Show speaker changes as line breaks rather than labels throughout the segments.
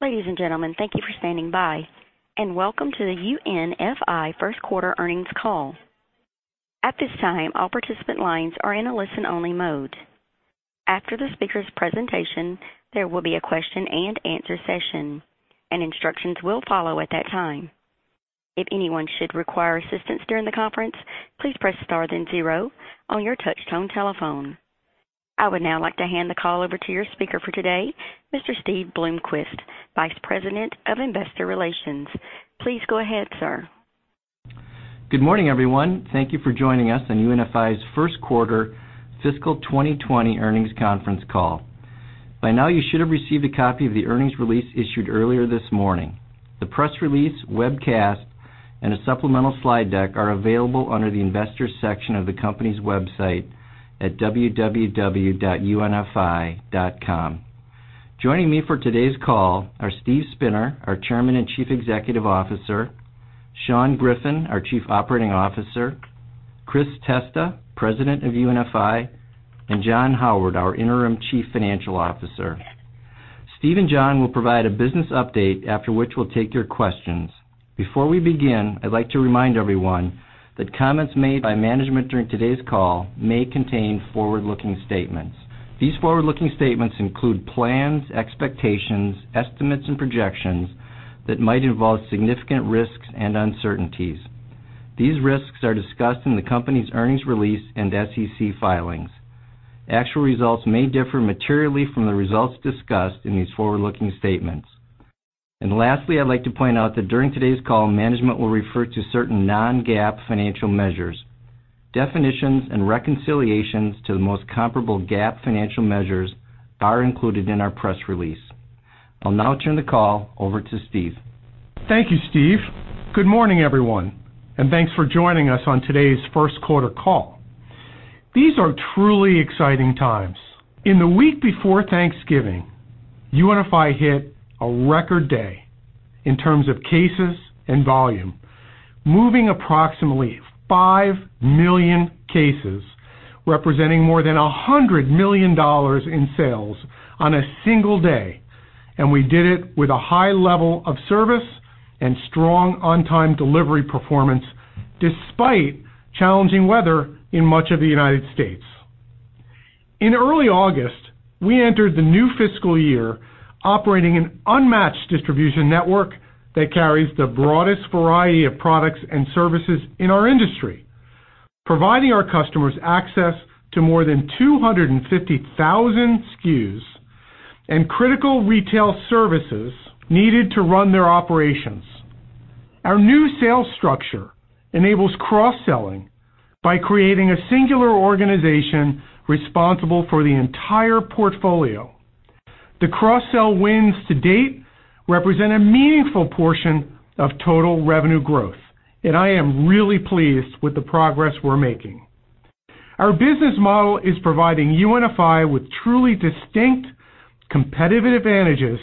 Ladies and gentlemen, thank you for standing by, and welcome to the UNFI First Quarter Earnings Call. At this time, all participant lines are in a listen-only mode. After the speaker's presentation, there will be a question-and-answer session, and instructions will follow at that time. If anyone should require assistance during the conference, please press star then zero on your touch-tone telephone. I would now like to hand the call over to your speaker for today, Mr. Steve Bloomquist, Vice President of Investor Relations. Please go ahead, sir.
Good morning, everyone. Thank you for joining us on UNFI's First Quarter Fiscal 2020 Earnings Conference Call. By now, you should have received a copy of the earnings release issued earlier this morning. The press release, webcast, and a supplemental slide deck are available under the investors' section of the company's website at www.unfi.com. Joining me for today's call are Steve Spinner, our Chairman and Chief Executive Officer, Sean Griffin, our Chief Operating Officer, Chris Testa, President of UNFI, and John Howard, our Interim Chief Financial Officer. Steve and John will provide a business update, after which we'll take your questions. Before we begin, I'd like to remind everyone that comments made by management during today's call may contain forward-looking statements. These forward-looking statements include plans, expectations, estimates, and projections that might involve significant risks and uncertainties. These risks are discussed in the company's earnings release and SEC filings. Actual results may differ materially from the results discussed in these forward-looking statements. Lastly, I'd like to point out that during today's call, management will refer to certain non-GAAP financial measures. Definitions and reconciliations to the most comparable GAAP financial measures are included in our press release. I'll now turn the call over to Steve.
Thank you, Steve. Good morning, everyone, and thanks for joining us on today's first quarter call. These are truly exciting times. In the week before Thanksgiving, UNFI hit a record day in terms of cases and volume, moving approximately 5 million cases, representing more than $100 million in sales on a single day. We did it with a high level of service and strong on-time delivery performance, despite challenging weather in much of the U.S. In early August, we entered the new fiscal year operating an unmatched distribution network that carries the broadest variety of products and services in our industry, providing our customers access to more than 250,000 SKUs and critical retail services needed to run their operations. Our new sales structure enables cross-selling by creating a singular organization responsible for the entire portfolio. The cross-sell wins to date represent a meaningful portion of total revenue growth, and I am really pleased with the progress we're making. Our business model is providing UNFI with truly distinct competitive advantages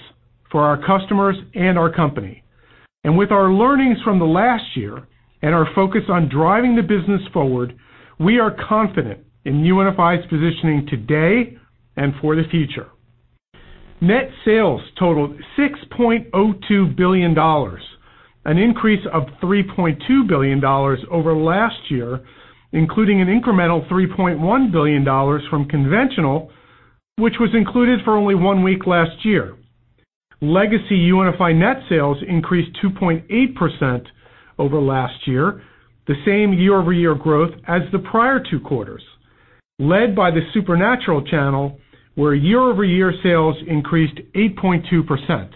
for our customers and our company. With our learnings from the last year and our focus on driving the business forward, we are confident in UNFI's positioning today and for the future. Net sales totaled $6.02 billion, an increase of $3.2 billion over last year, including an incremental $3.1 billion from conventional, which was included for only one week last year. Legacy UNFI net sales increased 2.8% over last year, the same year-over-year growth as the prior two quarters, led by the supernatural channel, where year-over-year sales increased 8.2%.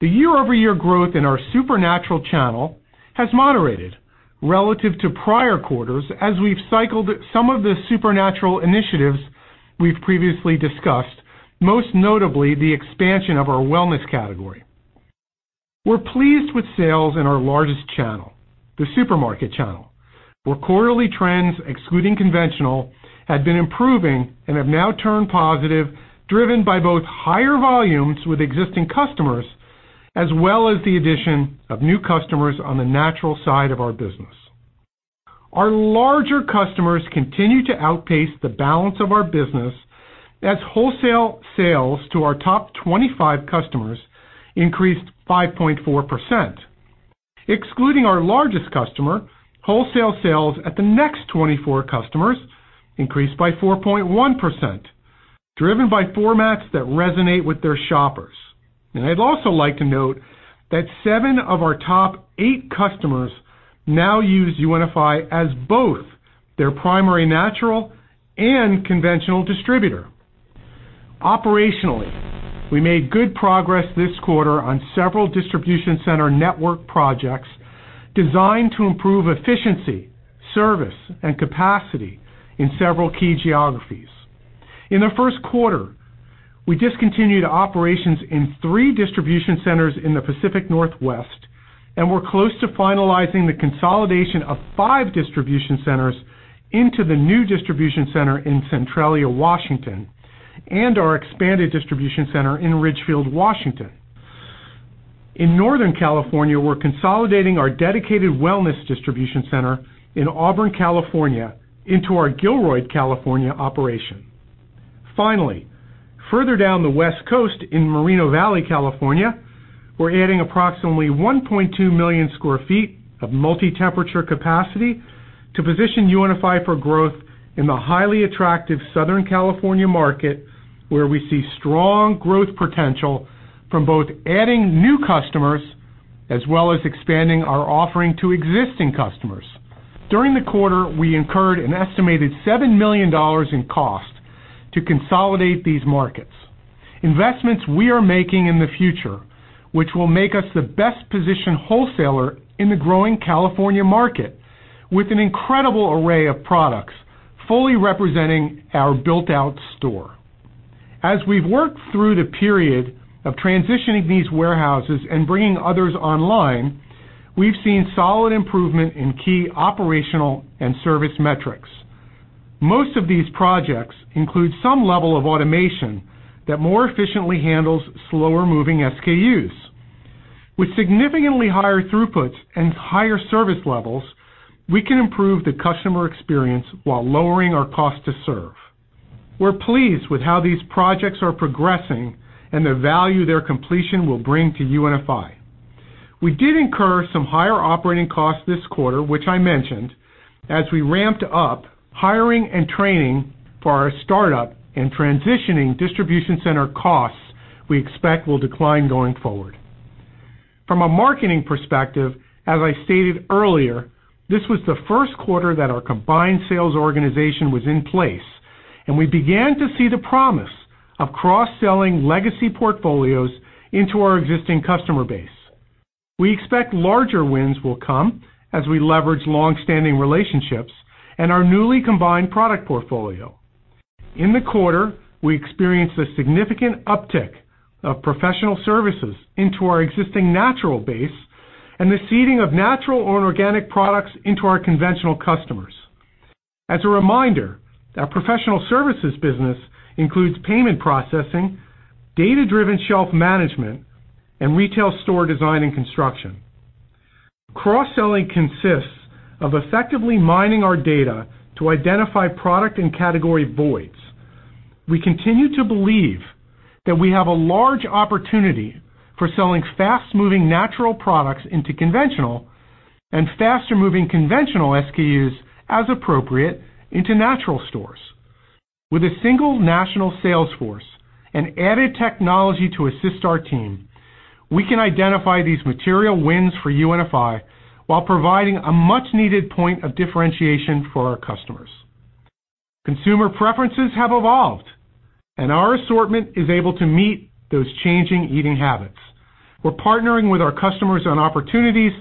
The year-over-year growth in our supernatural channel has moderated relative to prior quarters, as we've cycled some of the supernatural initiatives we've previously discussed, most notably the expansion of our wellness category. We're pleased with sales in our largest channel, the supermarket channel, where quarterly trends, excluding conventional, had been improving and have now turned positive, driven by both higher volumes with existing customers as well as the addition of new customers on the natural side of our business. Our larger customers continue to outpace the balance of our business, as wholesale sales to our top 25 customers increased 5.4%. Excluding our largest customer, wholesale sales at the next 24 customers increased by 4.1%, driven by formats that resonate with their shoppers. I'd also like to note that seven of our top eight customers now use UNFI as both their primary natural and conventional distributor. Operationally, we made good progress this quarter on several distribution center network projects designed to improve efficiency, service, and capacity in several key geographies. In the first quarter, we discontinued operations in three distribution centers in the Pacific Northwest and were close to finalizing the consolidation of five distribution centers into the new distribution center in Centralia, Washington, and our expanded distribution center in Ridgefield, Washington. In Northern California, we're consolidating our dedicated wellness distribution center in Auburn, California, into our Gilroy, California operation. Finally, further down the West Coast in Mill Valley, California, we're adding approximately 1.2 million sq ft of multi-temperature capacity to position UNFI for growth in the highly attractive Southern California market, where we see strong growth potential from both adding new customers as well as expanding our offering to existing customers. During the quarter, we incurred an estimated $7 million in cost to consolidate these markets. Investments we are making in the future, which will make us the best positioned wholesaler in the growing California market, with an incredible array of products fully representing our built-out store. As we've worked through the period of transitioning these warehouses and bringing others online, we've seen solid improvement in key operational and service metrics. Most of these projects include some level of automation that more efficiently handles slower-moving SKUs. With significantly higher throughputs and higher service levels, we can improve the customer experience while lowering our cost to serve. We're pleased with how these projects are progressing and the value their completion will bring to UNFI. We did incur some higher operating costs this quarter, which I mentioned. As we ramped up hiring and training for our startup and transitioning distribution center costs, we expect will decline going forward. From a marketing perspective, as I stated earlier, this was the first quarter that our combined sales organization was in place, and we began to see the promise of cross-selling legacy portfolios into our existing customer base. We expect larger wins will come as we leverage long-standing relationships and our newly combined product portfolio. In the quarter, we experienced a significant uptick of professional services into our existing natural base and the seeding of natural and organic products into our conventional customers. As a reminder, our professional services business includes payment processing, data-driven shelf management, and retail store design and construction. Cross-selling consists of effectively mining our data to identify product and category voids. We continue to believe that we have a large opportunity for selling fast-moving natural products into conventional and faster-moving conventional SKUs as appropriate into natural stores. With a single national sales force and added technology to assist our team, we can identify these material wins for UNFI while providing a much-needed point of differentiation for our customers. Consumer preferences have evolved, and our assortment is able to meet those changing eating habits. We're partnering with our customers on opportunities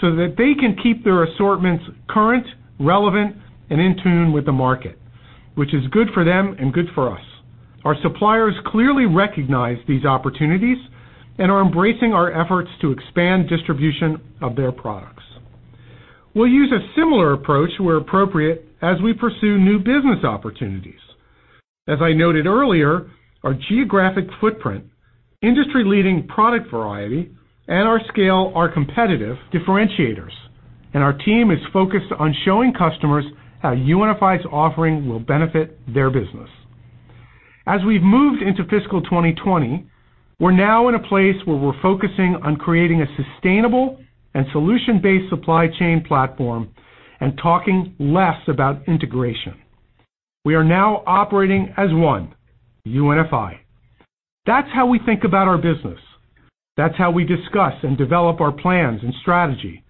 so that they can keep their assortments current, relevant, and in tune with the market, which is good for them and good for us. Our suppliers clearly recognize these opportunities and are embracing our efforts to expand distribution of their products. We'll use a similar approach where appropriate as we pursue new business opportunities. As I noted earlier, our geographic footprint, industry-leading product variety, and our scale are competitive differentiators, and our team is focused on showing customers how UNFI's offering will benefit their business. As we've moved into fiscal 2020, we're now in a place where we're focusing on creating a sustainable and solution-based supply chain platform and talking less about integration. We are now operating as one UNFI. That's how we think about our business. That's how we discuss and develop our plans and strategy.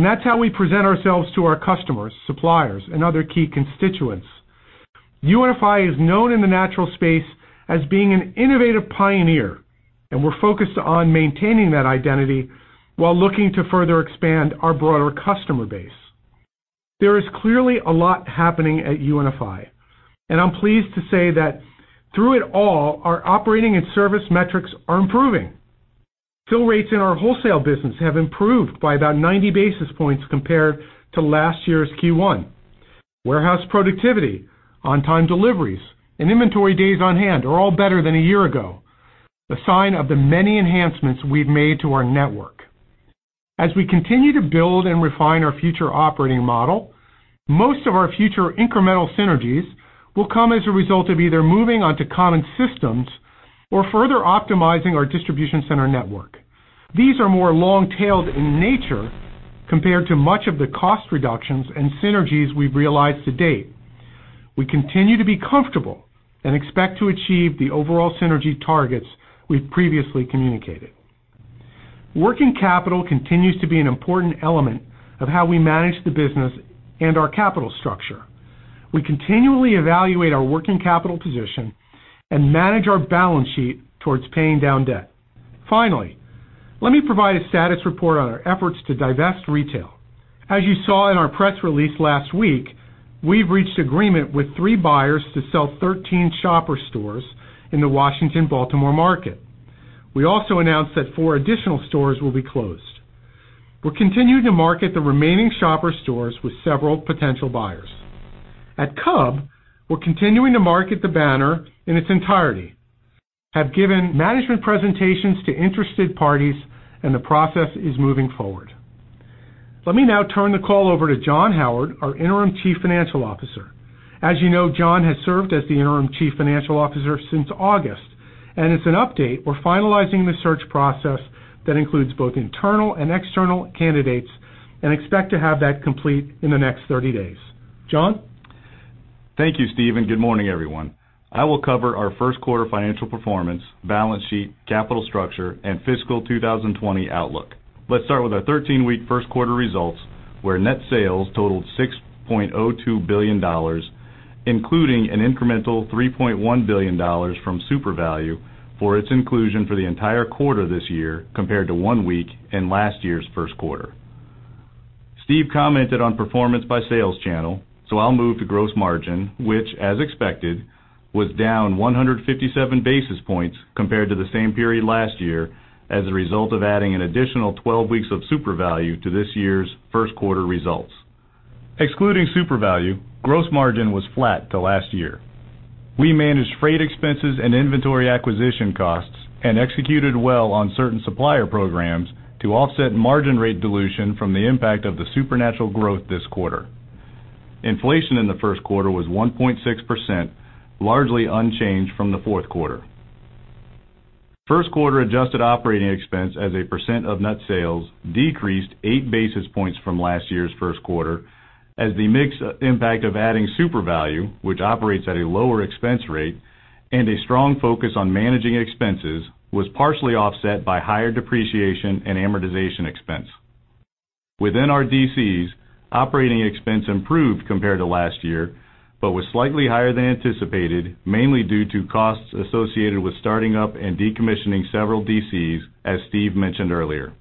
That's how we present ourselves to our customers, suppliers, and other key constituents. UNFI is known in the natural space as being an innovative pioneer, and we're focused on maintaining that identity while looking to further expand our broader customer base. There is clearly a lot happening at UNFI, and I'm pleased to say that through it all, our operating and service metrics are improving. Fill rates in our wholesale business have improved by about 90 basis points compared to last year's Q1. Warehouse productivity, on-time deliveries, and inventory days on hand are all better than a year ago, a sign of the many enhancements we've made to our network. As we continue to build and refine our future operating model, most of our future incremental synergies will come as a result of either moving onto common systems or further optimizing our distribution center network. These are more long-tailed in nature compared to much of the cost reductions and synergies we've realized to date. We continue to be comfortable and expect to achieve the overall synergy targets we've previously communicated. Working capital continues to be an important element of how we manage the business and our capital structure. We continually evaluate our working capital position and manage our balance sheet towards paying down debt. Finally, let me provide a status report on our efforts to divest retail. As you saw in our press release last week, we've reached agreement with three buyers to sell 13 Shoppers stores in the Washington-Baltimore market. We also announced that four additional stores will be closed. We're continuing to market the remaining Shoppers stores with several potential buyers. At Cub, we're continuing to market the banner in its entirety, have given management presentations to interested parties, and the process is moving forward. Let me now turn the call over to John Howard, our Interim Chief Financial Officer. As you know, John has served as the Interim Chief Financial Officer since August, and it's an update. We're finalizing the search process that includes both internal and external candidates and expect to have that complete in the next 30 days. John?
Thank you, Steve, and good morning, everyone. I will cover our first quarter financial performance, balance sheet, capital structure, and fiscal 2020 outlook. Let's start with our 13-week first quarter results, where net sales totaled $6.02 billion, including an incremental $3.1 billion from Supervalu for its inclusion for the entire quarter this year compared to one week in last year's first quarter. Steve commented on performance by sales channel, so I'll move to gross margin, which, as expected, was down 157 basis points compared to the same period last year as a result of adding an additional 12 weeks of Supervalu to this year's first quarter results. Excluding Supervalu, gross margin was flat to last year. We managed freight expenses and inventory acquisition costs and executed well on certain supplier programs to offset margin rate dilution from the impact of the supernatural growth this quarter. Inflation in the first quarter was 1.6%, largely unchanged from the fourth quarter. First quarter adjusted operating expense as a percent of net sales decreased eight basis points from last year's first quarter as the mixed impact of adding Supervalu, which operates at a lower expense rate, and a strong focus on managing expenses was partially offset by higher depreciation and amortization expense. Within our DCs, operating expense improved compared to last year, but was slightly higher than anticipated, mainly due to costs associated with starting up and decommissioning several DCs, as Steve mentioned earlier.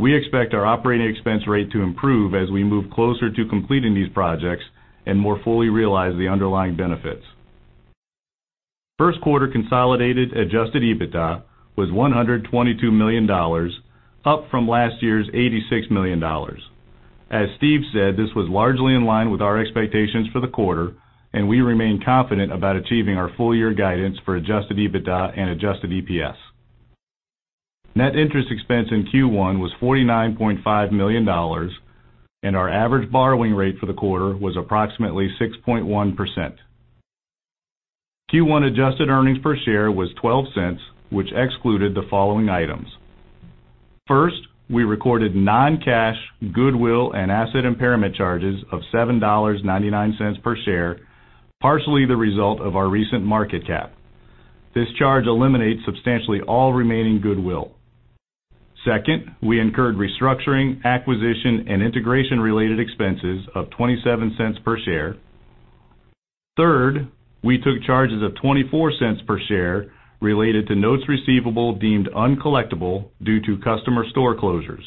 We expect our operating expense rate to improve as we move closer to completing these projects and more fully realize the underlying benefits. First quarter consolidated adjusted EBITDA was $122 million, up from last year's $86 million. As Steve said, this was largely in line with our expectations for the quarter, and we remain confident about achieving our full-year guidance for adjusted EBITDA and adjusted EPS. Net interest expense in Q1 was $49.5 million, and our average borrowing rate for the quarter was approximately 6.1%. Q1 adjusted earnings per share was $0.12, which excluded the following items. First, we recorded non-cash goodwill and asset impairment charges of $7.99 per share, partially the result of our recent market cap. This charge eliminates substantially all remaining goodwill. Second, we incurred restructuring, acquisition, and integration-related expenses of $0.27 per share. Third, we took charges of $0.24 per share related to notes receivable deemed uncollectible due to customer store closures.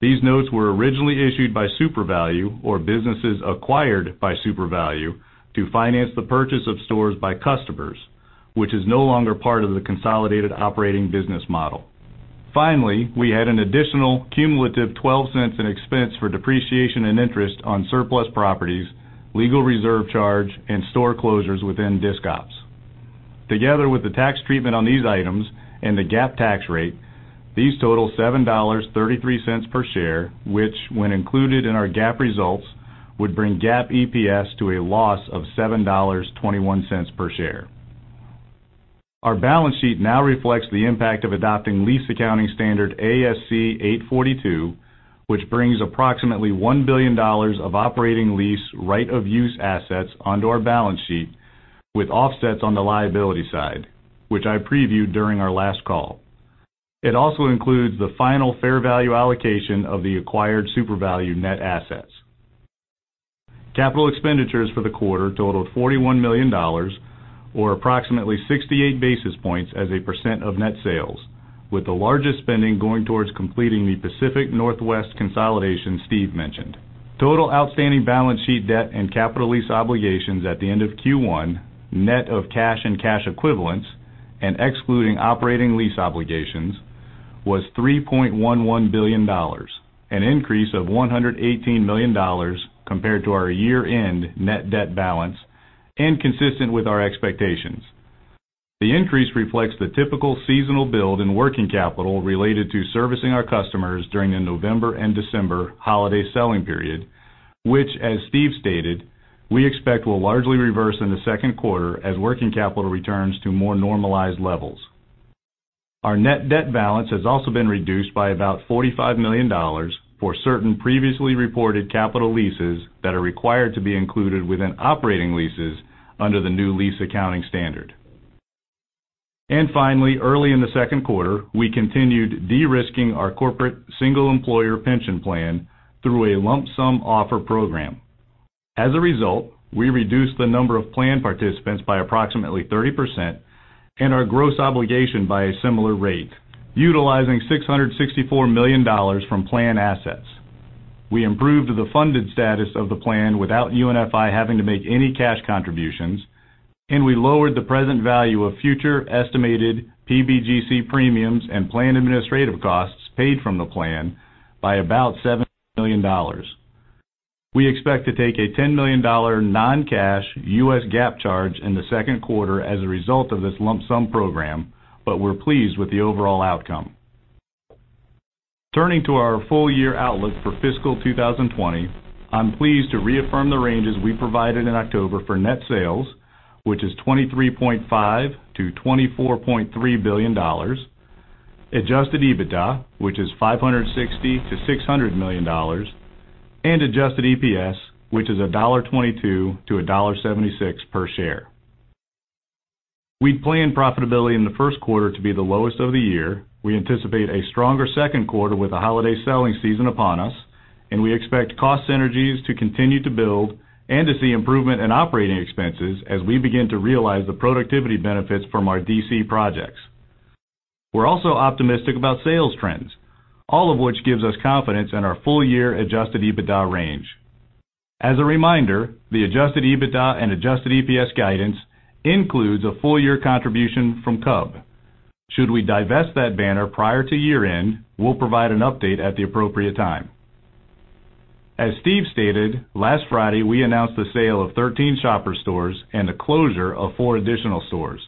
These notes were originally issued by Supervalu or businesses acquired by Supervalu to finance the purchase of stores by customers, which is no longer part of the consolidated operating business model. Finally, we had an additional cumulative $0.12 in expense for depreciation and interest on surplus properties, legal reserve charge, and store closures within discounts. Together with the tax treatment on these items and the GAAP tax rate, these total $7.33 per share, which, when included in our GAAP results, would bring GAAP EPS to a loss of $7.21 per share. Our balance sheet now reflects the impact of adopting lease accounting standard ASC 842, which brings approximately $1 billion of operating lease right-of-use assets onto our balance sheet with offsets on the liability side, which I previewed during our last call. It also includes the final fair value allocation of the acquired Supervalu net assets. Capital expenditures for the quarter totaled $41 million, or approximately 68 basis points as a percent of net sales, with the largest spending going towards completing the Pacific Northwest consolidation Steve mentioned. Total outstanding balance sheet debt and capital lease obligations at the end of Q1, net of cash and cash equivalents, and excluding operating lease obligations, was $3.11 billion, an increase of $118 million compared to our year-end net debt balance and consistent with our expectations. The increase reflects the typical seasonal build in working capital related to servicing our customers during the November and December holiday selling period, which, as Steve stated, we expect will largely reverse in the second quarter as working capital returns to more normalized levels. Our net debt balance has also been reduced by about $45 million for certain previously reported capital leases that are required to be included within operating leases under the new lease accounting standard. Finally, early in the second quarter, we continued de-risking our corporate single employer pension plan through a lump sum offer program. As a result, we reduced the number of plan participants by approximately 30% and our gross obligation by a similar rate, utilizing $664 million from plan assets. We improved the funded status of the plan without UNFI having to make any cash contributions, and we lowered the present value of future estimated PBGC premiums and plan administrative costs paid from the plan by about $7 million. We expect to take a $10 million non-cash US GAAP charge in the second quarter as a result of this lump sum program, but we're pleased with the overall outcome. Turning to our full-year outlook for fiscal 2020, I'm pleased to reaffirm the ranges we provided in October for net sales, which is $23.5 billion-$24.3 billion, adjusted EBITDA, which is $560 million-$600 million, and adjusted EPS, which is $1.22-$1.76 per share. We'd plan profitability in the first quarter to be the lowest of the year. We anticipate a stronger second quarter with a holiday selling season upon us, and we expect cost synergies to continue to build and to see improvement in operating expenses as we begin to realize the productivity benefits from our DC projects. We're also optimistic about sales trends, all of which gives us confidence in our full-year adjusted EBITDA range. As a reminder, the adjusted EBITDA and adjusted EPS guidance includes a full-year contribution from Cub. Should we divest that banner prior to year-end, we'll provide an update at the appropriate time. As Steve stated, last Friday, we announced the sale of 13 Shoppers stores and the closure of four additional stores.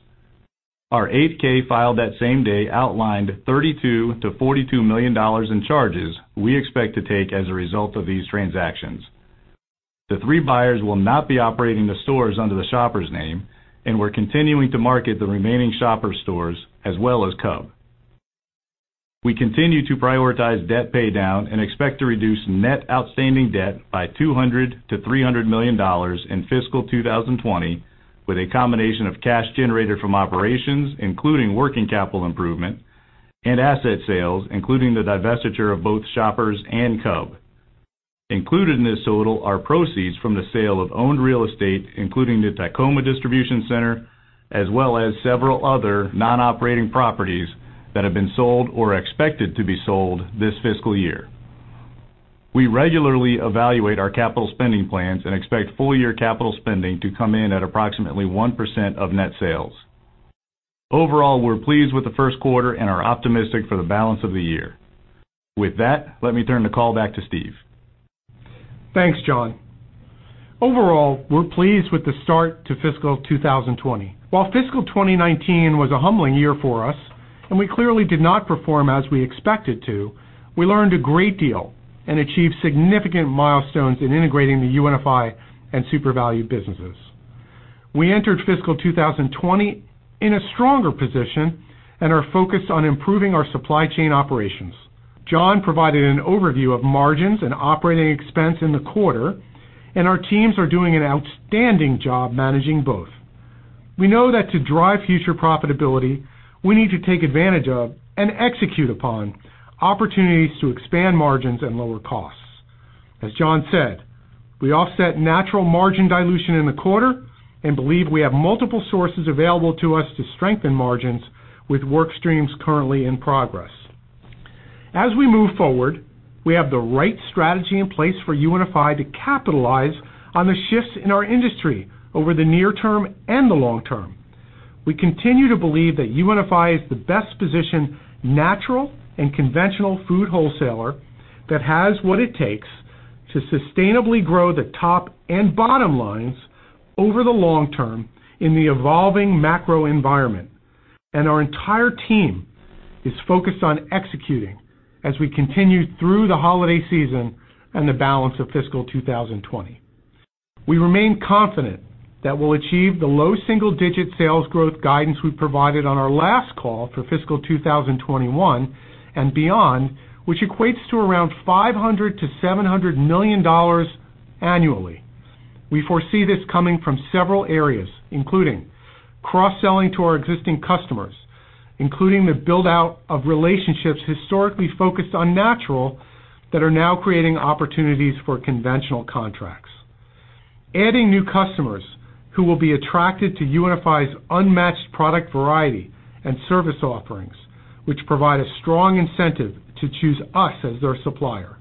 Our Form 8-K filed that same day outlined $32 million-$42 million in charges we expect to take as a result of these transactions. The three buyers will not be operating the stores under the Shoppers name, and we're continuing to market the remaining Shoppers stores as well as Cub. We continue to prioritize debt paydown and expect to reduce net outstanding debt by $200 million-$300 million in fiscal 2020 with a combination of cash generated from operations, including working capital improvement, and asset sales, including the divestiture of both Shoppers and Cub. Included in this total are proceeds from the sale of owned real estate, including the Tacoma Distribution Center, as well as several other non-operating properties that have been sold or expected to be sold this fiscal year. We regularly evaluate our capital spending plans and expect full-year capital spending to come in at approximately 1% of net sales. Overall, we're pleased with the first quarter and are optimistic for the balance of the year. With that, let me turn the call back to Steve.
Thanks, John. Overall, we're pleased with the start to fiscal 2020. While fiscal 2019 was a humbling year for us, and we clearly did not perform as we expected to, we learned a great deal and achieved significant milestones in integrating the UNFI and Supervalu businesses. We entered fiscal 2020 in a stronger position and are focused on improving our supply chain operations. John provided an overview of margins and operating expense in the quarter, and our teams are doing an outstanding job managing both. We know that to drive future profitability, we need to take advantage of and execute upon opportunities to expand margins and lower costs. As John said, we offset natural margin dilution in the quarter and believe we have multiple sources available to us to strengthen margins with work streams currently in progress. As we move forward, we have the right strategy in place for UNFI to capitalize on the shifts in our industry over the near term and the long term. We continue to believe that UNFI is the best positioned natural and conventional food wholesaler that has what it takes to sustainably grow the top and bottom lines over the long term in the evolving macro environment, and our entire team is focused on executing as we continue through the holiday season and the balance of fiscal 2020. We remain confident that we'll achieve the low single-digit sales growth guidance we provided on our last call for fiscal 2021 and beyond, which equates to around $500 million-$700 million annually. We foresee this coming from several areas, including cross-selling to our existing customers, including the build-out of relationships historically focused on natural that are now creating opportunities for conventional contracts, adding new customers who will be attracted to UNFI's unmatched product variety and service offerings, which provide a strong incentive to choose us as their supplier,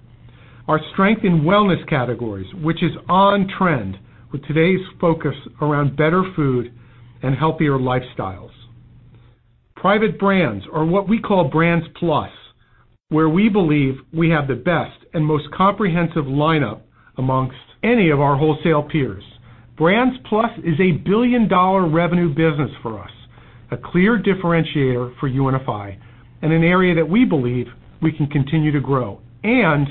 our strength in wellness categories, which is on trend with today's focus around better food and healthier lifestyles. Private brands are what we call Brands Plus, where we believe we have the best and most comprehensive lineup amongst any of our wholesale peers. Brands Plus is a billion-dollar revenue business for us, a clear differentiator for UNFI, and an area that we believe we can continue to grow, and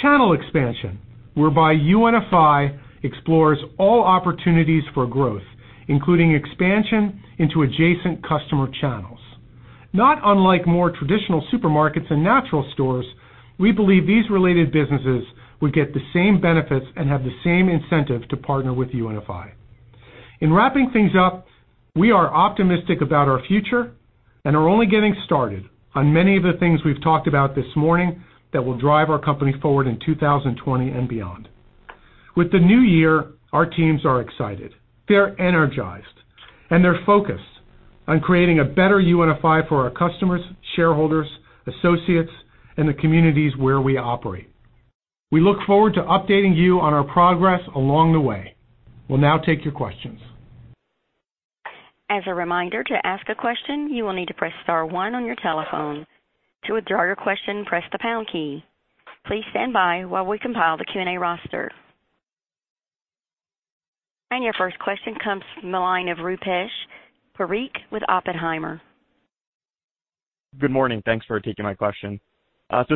channel expansion, whereby UNFI explores all opportunities for growth, including expansion into adjacent customer channels. Not unlike more traditional supermarkets and natural stores, we believe these related businesses would get the same benefits and have the same incentive to partner with UNFI. In wrapping things up, we are optimistic about our future and are only getting started on many of the things we've talked about this morning that will drive our company forward in 2020 and beyond. With the new year, our teams are excited, they're energized, and they're focused on creating a better UNFI for our customers, shareholders, associates, and the communities where we operate. We look forward to updating you on our progress along the way. We'll now take your questions.
As a reminder, to ask a question, you will need to press star one on your telephone. To withdraw your question, press the pound key. Please stand by while we compile the Q&A roster. Your first question comes from the line of Rupesh Parikh with Oppenheimer.
Good morning. Thanks for taking my question.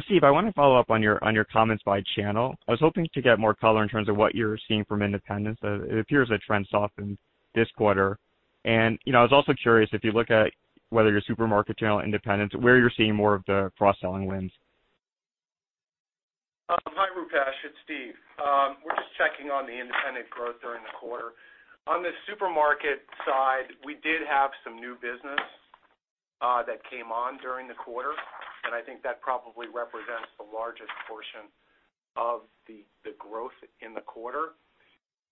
Steve, I want to follow up on your comments by channel. I was hoping to get more color in terms of what you're seeing from independents. It appears that trends softened this quarter. I was also curious if you look at whether your supermarket channel independents, where you're seeing more of the cross-selling wins.
Hi, Rupesh. It's Steve. We're just checking on the independent growth during the quarter. On the supermarket side, we did have some new business that came on during the quarter, and I think that probably represents the largest portion of the growth in the quarter.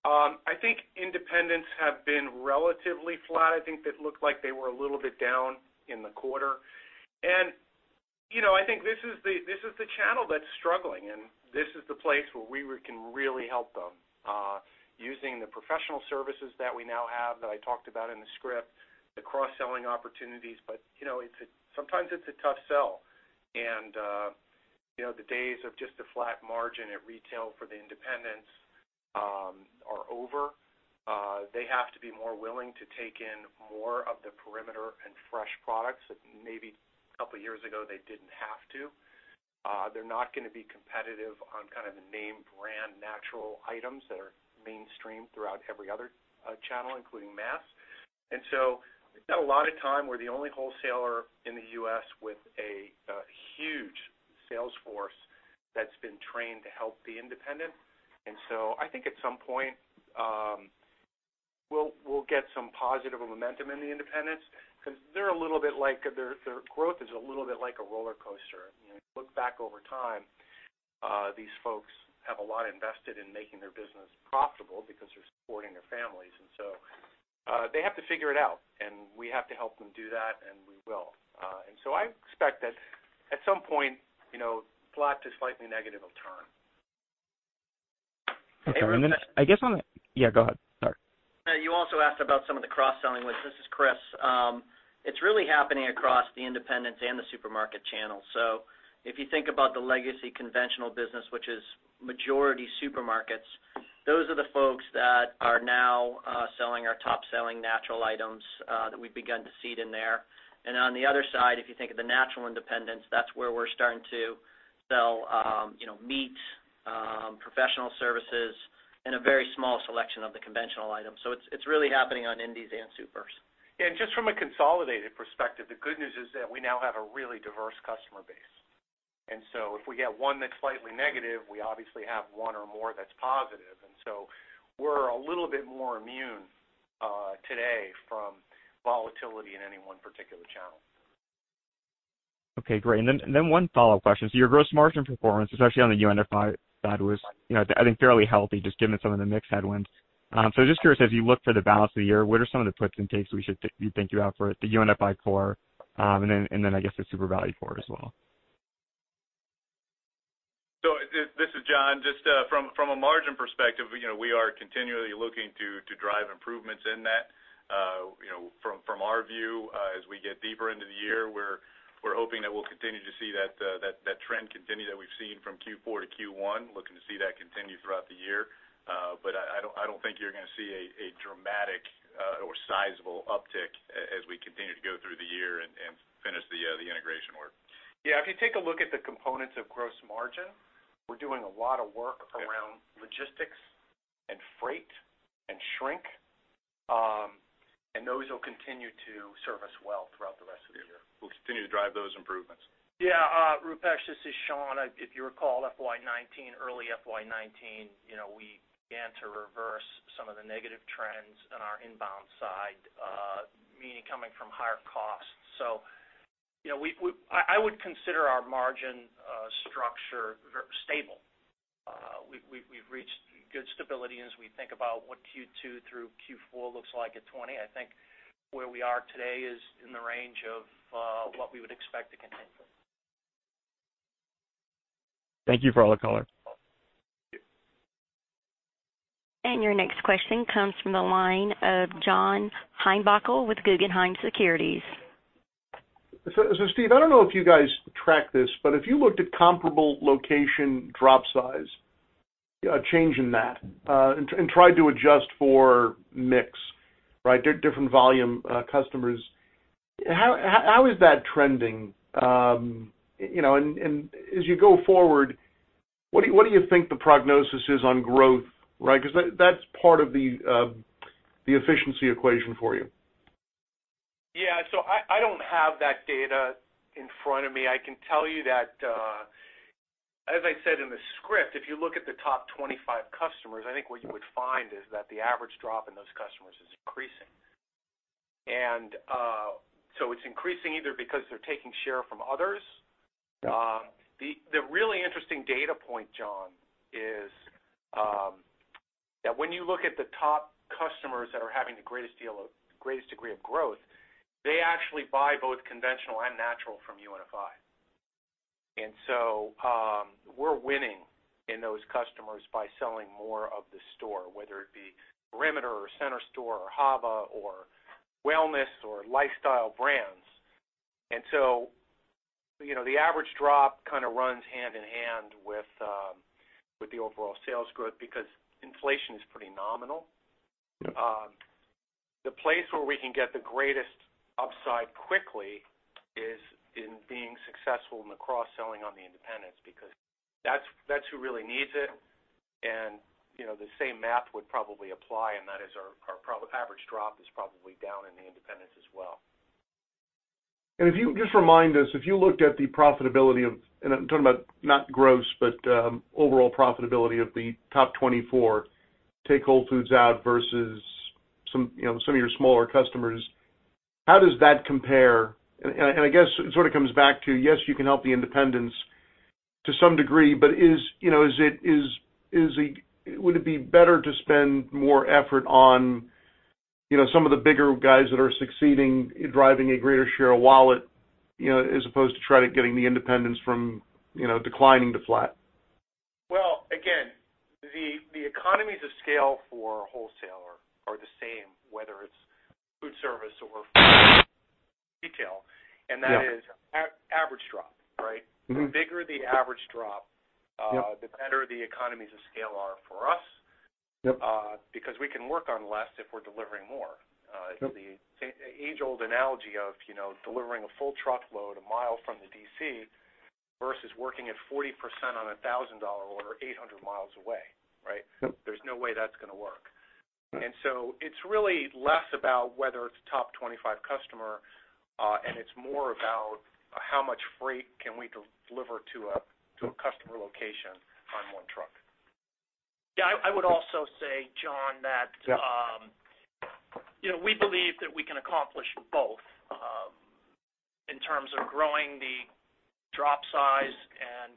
I think independents have been relatively flat. I think that looked like they were a little bit down in the quarter. I think this is the channel that's struggling, and this is the place where we can really help them using the professional services that we now have that I talked about in the script, the cross-selling opportunities. Sometimes it's a tough sell. The days of just a flat margin at retail for the independents are over. They have to be more willing to take in more of the perimeter and fresh products that maybe a couple of years ago they did not have to. They are not going to be competitive on kind of the name brand natural items that are mainstream throughout every other channel, including mass. We have got a lot of time. We are the only wholesaler in the U.S. with a huge sales force that has been trained to help the independent. I think at some point we will get some positive momentum in the independents because their growth is a little bit like a roller coaster. Look back over time, these folks have a lot invested in making their business profitable because they are supporting their families. They have to figure it out, and we have to help them do that, and we will. I expect that at some point the plot to slightly negative return.
I guess on the-yeah, go ahead. Sorry.
You also asked about some of the cross-selling wins. This is Chris. It's really happening across the independents and the supermarket channels. If you think about the legacy conventional business, which is majority supermarkets, those are the folks that are now selling our top-selling natural items that we've begun to seed in there. On the other side, if you think of the natural independents, that's where we're starting to sell meat, professional services, and a very small selection of the conventional items. It's really happening on indies and supers.
From a consolidated perspective, the good news is that we now have a really diverse customer base. If we get one that's slightly negative, we obviously have one or more that's positive. We're a little bit more immune today from volatility in any one particular channel.
Okay, great. One follow-up question. Your gross margin performance, especially on the UNFI side, was, I think, fairly healthy, just given some of the mixed headwinds. I am just curious, as you look for the balance of the year, what are some of the points and takes we should think about for the UNFI core and then, I guess, the Supervalu core as well?
This is John. Just from a margin perspective, we are continually looking to drive improvements in that. From our view, as we get deeper into the year, we're hoping that we'll continue to see that trend continue that we've seen from Q4-Q1. Looking to see that continue throughout the year. I don't think you're going to see a dramatic or sizable uptick as we continue to go through the year and finish the integration work.
Yeah. If you take a look at the components of gross margin, we're doing a lot of work around logistics and freight and shrink. Those will continue to serve us well throughout the rest of the year.
We'll continue to drive those improvements.
Yeah. Rupesh, this is Sean. If you recall, FY 2019, early FY 2019, we began to reverse some of the negative trends on our inbound side, meaning coming from higher costs. I would consider our margin structure stable. We have reached good stability as we think about what Q2 through Q4 looks like at 20. I think where we are today is in the range of what we would expect to continue.
Thank you for all the color.
Your next question comes from the line of John Heinbockel with Guggenheim Securities.
Steve, I don't know if you guys track this, but if you looked at comparable location drop size, a change in that, and tried to adjust for mix, right, different volume customers, how is that trending? As you go forward, what do you think the prognosis is on growth, right? Because that's part of the efficiency equation for you.
Yeah. I don't have that data in front of me. I can tell you that, as I said in the script, if you look at the top 25 customers, I think what you would find is that the average drop in those customers is increasing. It's increasing either because they're taking share from others. The really interesting data point, John, is that when you look at the top customers that are having the greatest deal, greatest degree of growth, they actually buy both conventional and natural from UNFI. You know, we're winning in those customers by selling more of the store, whether it be perimeter or center store or HAWA or wellness or lifestyle brands. The average drop kind of runs hand in hand with the overall sales growth because inflation is pretty nominal. The place where we can get the greatest upside quickly is in being successful in the cross-selling on the independents because that's who really needs it. The same math would probably apply, and that is our average drop is probably down in the independents as well.
Just remind us, if you looked at the profitability of-and I'm talking about not gross, but overall profitability of the top 24, take Whole Foods out versus some of your smaller customers-how does that compare? I guess it sort of comes back to, yes, you can help the independents to some degree, but would it be better to spend more effort on some of the bigger guys that are succeeding, driving a greater share of wallet, as opposed to try to getting the independents from declining to flat?
Again, the economies of scale for wholesale are the same, whether it's food service or retail. That is average drop, right? The bigger the average drop, the better the economies of scale are for us because we can work on less if we're delivering more. The age-old analogy of delivering a full truckload a mile from the DC versus working at 40% on a $1,000 order 800 miles away, right? There's no way that's going to work. It is really less about whether it's top 25 customer, and it's more about how much freight can we deliver to a customer location on one truck?
Yeah. I would also say, John, that we believe that we can accomplish both in terms of growing the drop size and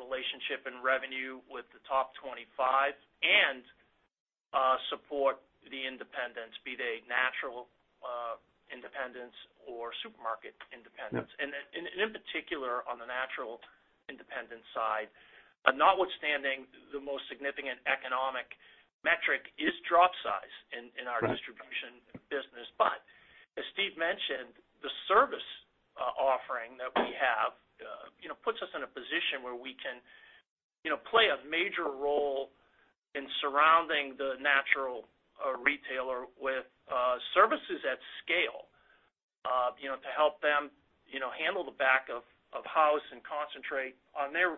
relationship and revenue with the top 25 and support the independents, be they natural independents or supermarket independents. In particular, on the natural independent side, notwithstanding the most significant economic metric is drop size in our distribution business. As Steve mentioned, the service offering that we have puts us in a position where we can play a major role in surrounding the natural retailer with services at scale to help them handle the back of house and concentrate on their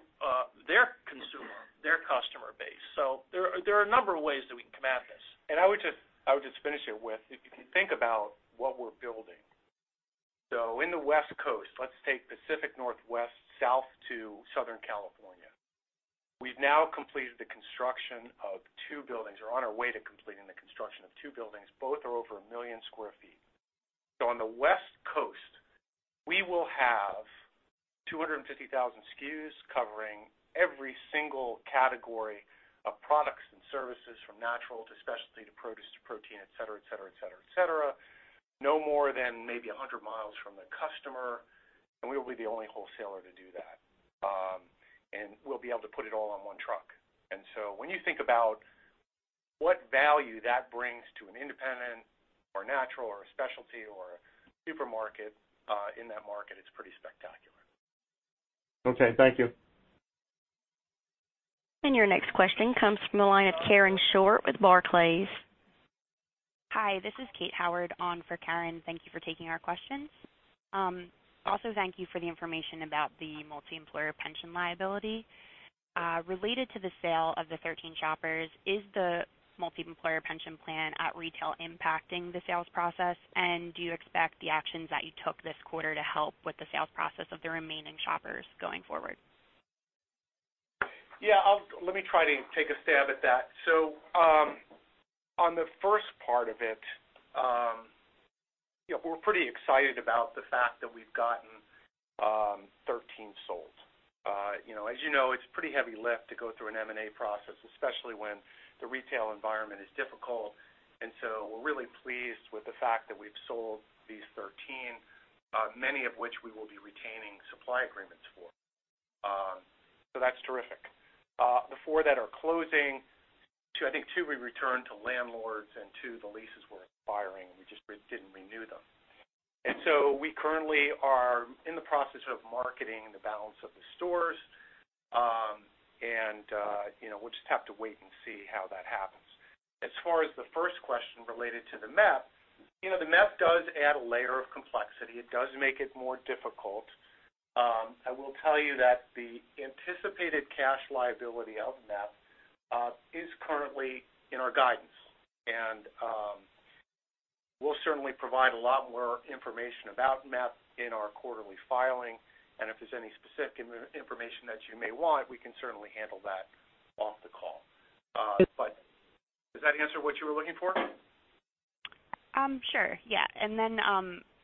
consumer, their customer base. There are a number of ways that we can combat this. I would just finish it with, if you think about what we're building. In the West Coast, let's take Pacific Northwest, South to Southern California. We've now completed the construction of two buildings or are on our way to completing the construction of two buildings. Both are over 1 million sq ft. On the West Coast, we will have 250,000 SKUs covering every single category of products and services from natural to specialty to produce to protein, etc., etc., etc., etc., no more than maybe 100 mi from the customer. We will be the only wholesaler to do that. We'll be able to put it all on one truck. When you think about what value that brings to an independent or natural or a specialty or a supermarket in that market, it's pretty spectacular.
Okay. Thank you.
Your next question comes from the line of Karen Short with Barclays. Hi, this is Kate Howard on for Karen. Thank you for taking our questions. Also, thank you for the information about the multi-employer pension liability. Related to the sale of the 13 Shoppers, is the multi-employer pension plan at retail impacting the sales process? Do you expect the actions that you took this quarter to help with the sales process of the remaining Shoppers going forward?
Yeah. Let me try to take a stab at that. On the first part of it, we're pretty excited about the fact that we've gotten 13 sold. As you know, it's a pretty heavy lift to go through an M&A process, especially when the retail environment is difficult. We're really pleased with the fact that we've sold these 13, many of which we will be retaining supply agreements for. That's terrific. The four that are closing, I think two we returned to landlords and two the leases were expiring. We just didn't renew them. We currently are in the process of marketing the balance of the stores. We'll just have to wait and see how that happens. As far as the first question related to the MEP, the MEP does add a layer of complexity. It does make it more difficult. I will tell you that the anticipated cash liability of MEP is currently in our guidance. We will certainly provide a lot more information about MEP in our quarterly filing. If there is any specific information that you may want, we can certainly handle that off the call. Does that answer what you were looking for? Sure. Yeah.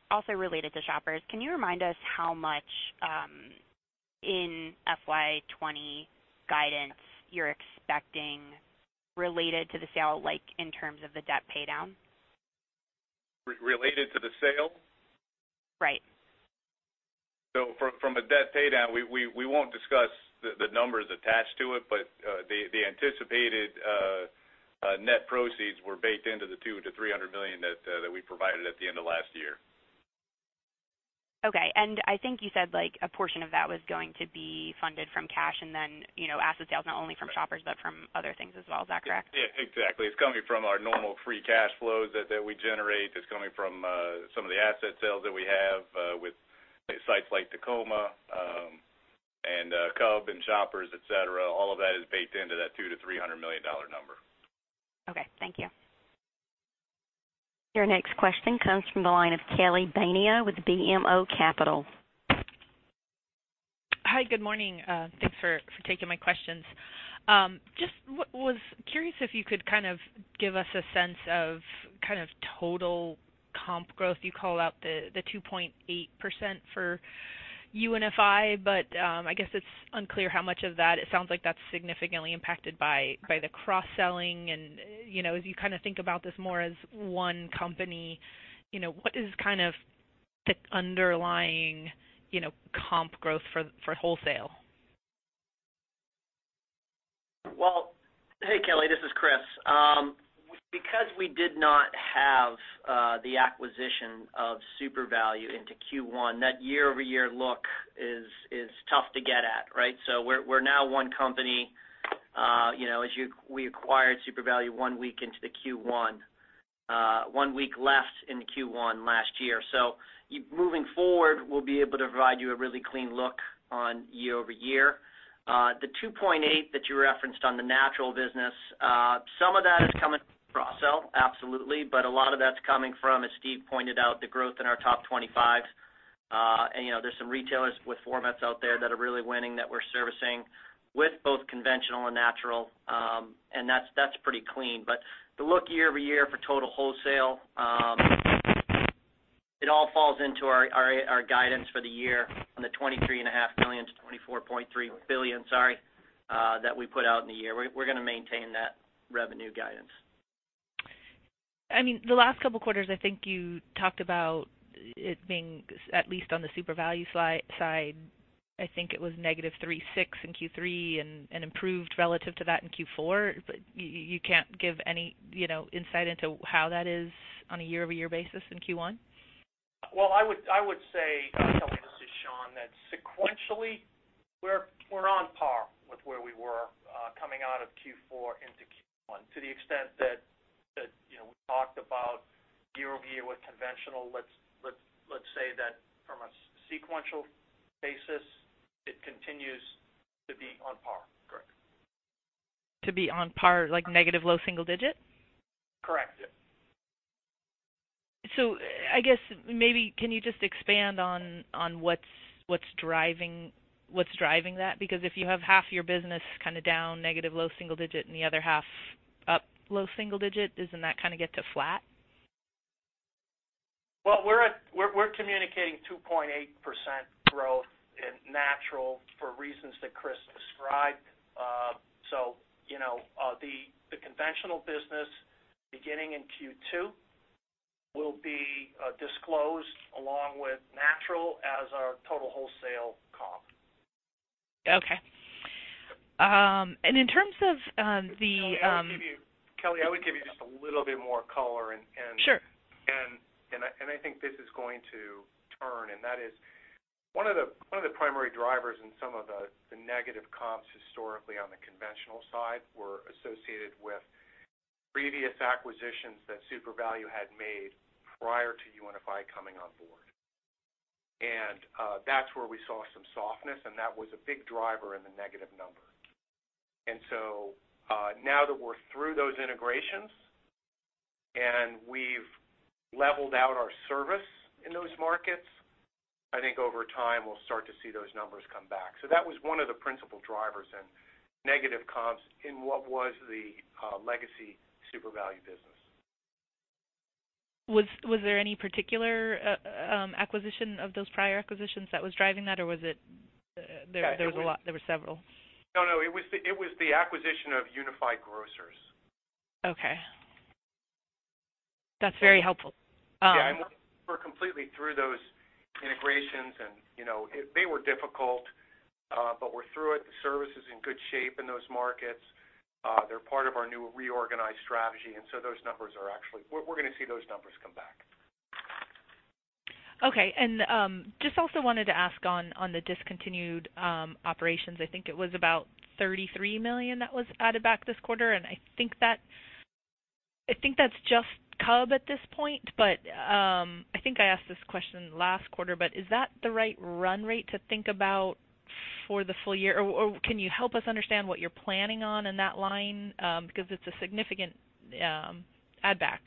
Also related to Shoppers, can you remind us how much in FY 2020 guidance you're expecting related to the sale in terms of the debt paydown?
Related to the sale? Right. From a debt paydown, we won't discuss the numbers attached to it, but the anticipated net proceeds were baked into the $200 million-$300 million that we provided at the end of last year. Okay. I think you said a portion of that was going to be funded from cash and then asset sales, not only from Shoppers, but from other things as well. Is that correct? Yeah. Exactly. It's coming from our normal free cash flows that we generate. It's coming from some of the asset sales that we have with sites like Tacoma and Cub and Shoppers, etc. All of that is baked into that $200 million-$300 million number. Okay. Thank you.
Your next question comes from the line of Kelly Bania with BMO Capital.
Hi. Good morning. Thanks for taking my questions. Just was curious if you could kind of give us a sense of kind of total comp growth. You call out the 2.8% for UNFI, but I guess it's unclear how much of that. It sounds like that's significantly impacted by the cross-selling. As you kind of think about this more as one company, what is kind of the underlying comp growth for wholesale?
Hey, Kelly, this is Chris. Because we did not have the acquisition of Supervalu into Q1, that year-over-year look is tough to get at, right? We are now one company. We acquired Supervalu one week into the Q1, one week left in Q1 last year. Moving forward, we'll be able to provide you a really clean look on year-over-year. The 2.8 that you referenced on the natural business, some of that is coming from cross-sell, absolutely. A lot of that is coming from, as Steve pointed out, the growth in our top 25. There are some retailers with formats out there that are really winning that we're servicing with both conventional and natural. That is pretty clean. The look year-over-year for total wholesale, it all falls into our guidance for the year on the $23.5 billion-$24.3 billion, sorry, that we put out in the year. We're going to maintain that revenue guidance.
I mean, the last couple of quarters, I think you talked about it being at least on the Supervalu side. I think it was -3.6% in Q3 and improved relative to that in Q4. But you can't give any insight into how that is on a year-over-year basis in Q1?
I would say, Kelly, this is Sean, that sequentially, we're on par with where we were coming out of Q4 into Q1 to the extent that we talked about year-over-year with conventional. Let's say that from a sequential basis, it continues to be on par. Correct.
To be on par, like negative low single digit?
Correct. Yeah.
I guess maybe can you just expand on what's driving that? Because if you have half your business kind of down, negative low single digit, and the other half up low single digit, doesn't that kind of get to flat?
We're communicating 2.8% growth in natural for reasons that Chris described. The conventional business beginning in Q2 will be disclosed along with natural as our total wholesale comp.
Okay. In terms of the.
Kelly, I would give you just a little bit more color.
Sure.
I think this is going to turn. That is one of the primary drivers in some of the negative comps historically on the conventional side were associated with previous acquisitions that Supervalu had made prior to UNFI coming on board. That is where we saw some softness, and that was a big driver in the negative number. Now that we're through those integrations and we've leveled out our service in those markets, I think over time we'll start to see those numbers come back. That was one of the principal drivers in negative comps in what was the legacy Supervalu business.
Was there any particular acquisition of those prior acquisitions that was driving that, or was it there were several?
No, no. It was the acquisition of Unified Grocers.
Okay. That's very helpful.
Yeah. We're completely through those integrations, and they were difficult, but we're through it. The service is in good shape in those markets. They're part of our new reorganized strategy. Those numbers are actually, we're going to see those numbers come back.
Okay. Just also wanted to ask on the discontinued operations. I think it was about $33 million that was added back this quarter. I think that's just Cub at this point. I think I asked this question last quarter, but is that the right run rate to think about for the full year? Can you help us understand what you're planning on in that line? Because it's a significant add-back.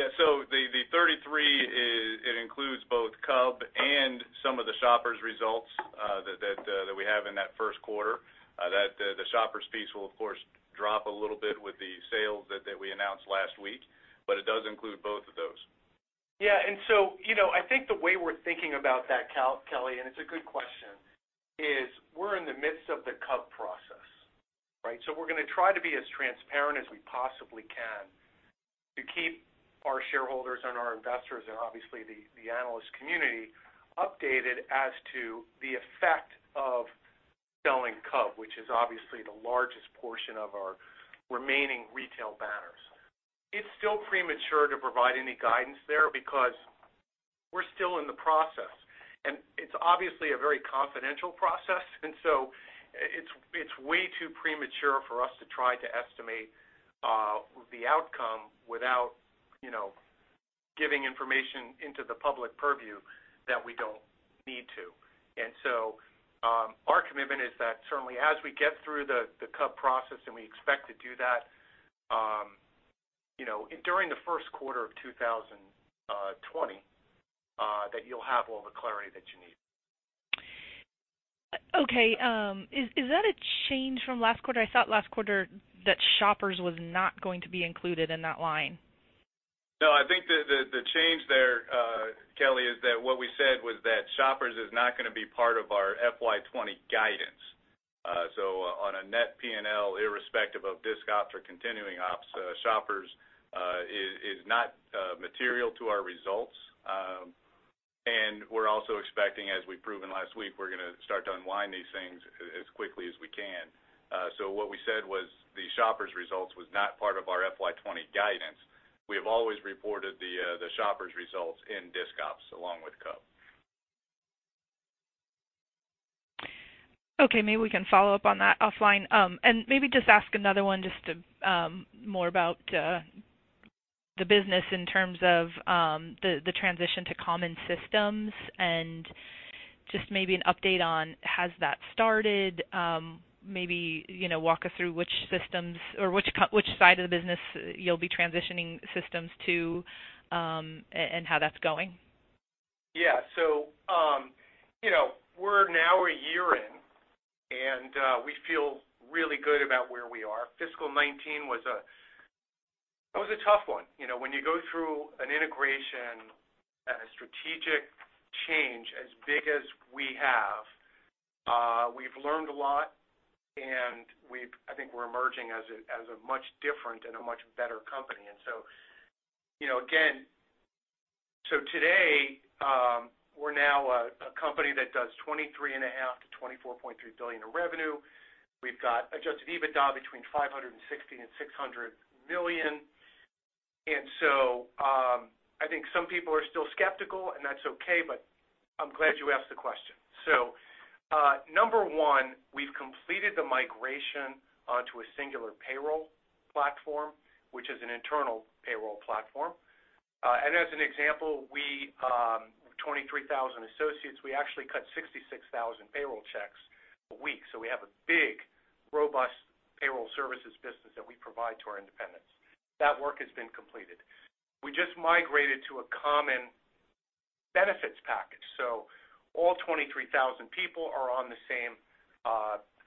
Yeah. The 33, it includes both Cub and some of the Shoppers' results that we have in that first quarter. The Shoppers' piece will, of course, drop a little bit with the sales that we announced last week, but it does include both of those.
Yeah. I think the way we're thinking about that, Kelly, and it's a good question, is we're in the midst of the Cub process, right? We're going to try to be as transparent as we possibly can to keep our shareholders and our investors and obviously the analyst community updated as to the effect of selling Cub, which is obviously the largest portion of our remaining retail banners. It's still premature to provide any guidance there because we're still in the process. It's obviously a very confidential process. It's way too premature for us to try to estimate the outcome without giving information into the public purview that we don't need to. Our commitment is that certainly as we get through the Cub process, and we expect to do that during the first quarter of 2020, that you'll have all the clarity that you need.
Okay. Is that a change from last quarter? I thought last quarter that Shoppers was not going to be included in that line.
No. I think the change there, Kelly, is that what we said was that Shoppers is not going to be part of our FY 2020 guidance. On a net P&L, irrespective of disc ops or continuing ops, Shoppers is not material to our results. We are also expecting, as we proved last week, we are going to start to unwind these things as quickly as we can. What we said was the Shoppers' results were not part of our FY 2020 guidance. We have always reported the Shoppers' results in disc ops along with Cub.
Okay. Maybe we can follow up on that offline. Maybe just ask another one just more about the business in terms of the transition to common systems and just maybe an update on has that started. Maybe walk us through which systems or which side of the business you'll be transitioning systems to and how that's going.
Yeah. We're now a year in, and we feel really good about where we are. Fiscal 2019 was a tough one. When you go through an integration and a strategic change as big as we have, we've learned a lot, and I think we're emerging as a much different and a much better company. Again, today, we're now a company that does $23.5 billion-$24.3 billion in revenue. We've got adjusted EBITDA between $560 million and $600 million. I think some people are still skeptical, and that's okay, but I'm glad you asked the question. Number one, we've completed the migration onto a singular payroll platform, which is an internal payroll platform. As an example, we have 23,000 associates. We actually cut 66,000 payroll checks a week. We have a big, robust payroll services business that we provide to our independents. That work has been completed. We just migrated to a common benefits package. So all 23,000 people are on the same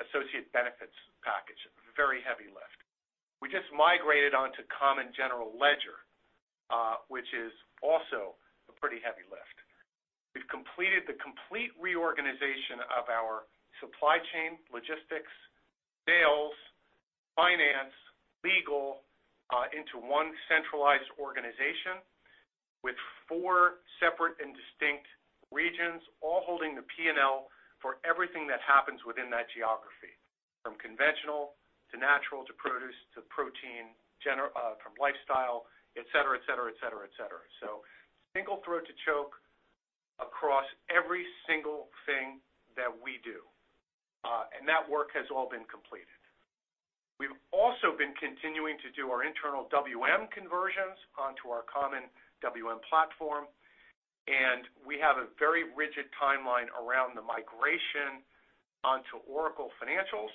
associate benefits package. Very heavy lift. We just migrated onto common general ledger, which is also a pretty heavy lift. We have completed the complete reorganization of our supply chain, logistics, sales, finance, legal into one centralized organization with four separate and distinct regions, all holding the P&L for everything that happens within that geography, from conventional to natural to produce to protein from lifestyle, etc., etc., etc., etc. Single throat to choke across every single thing that we do. That work has all been completed. We have also been continuing to do our internal WM conversions onto our common WM platform. We have a very rigid timeline around the migration onto Oracle Financials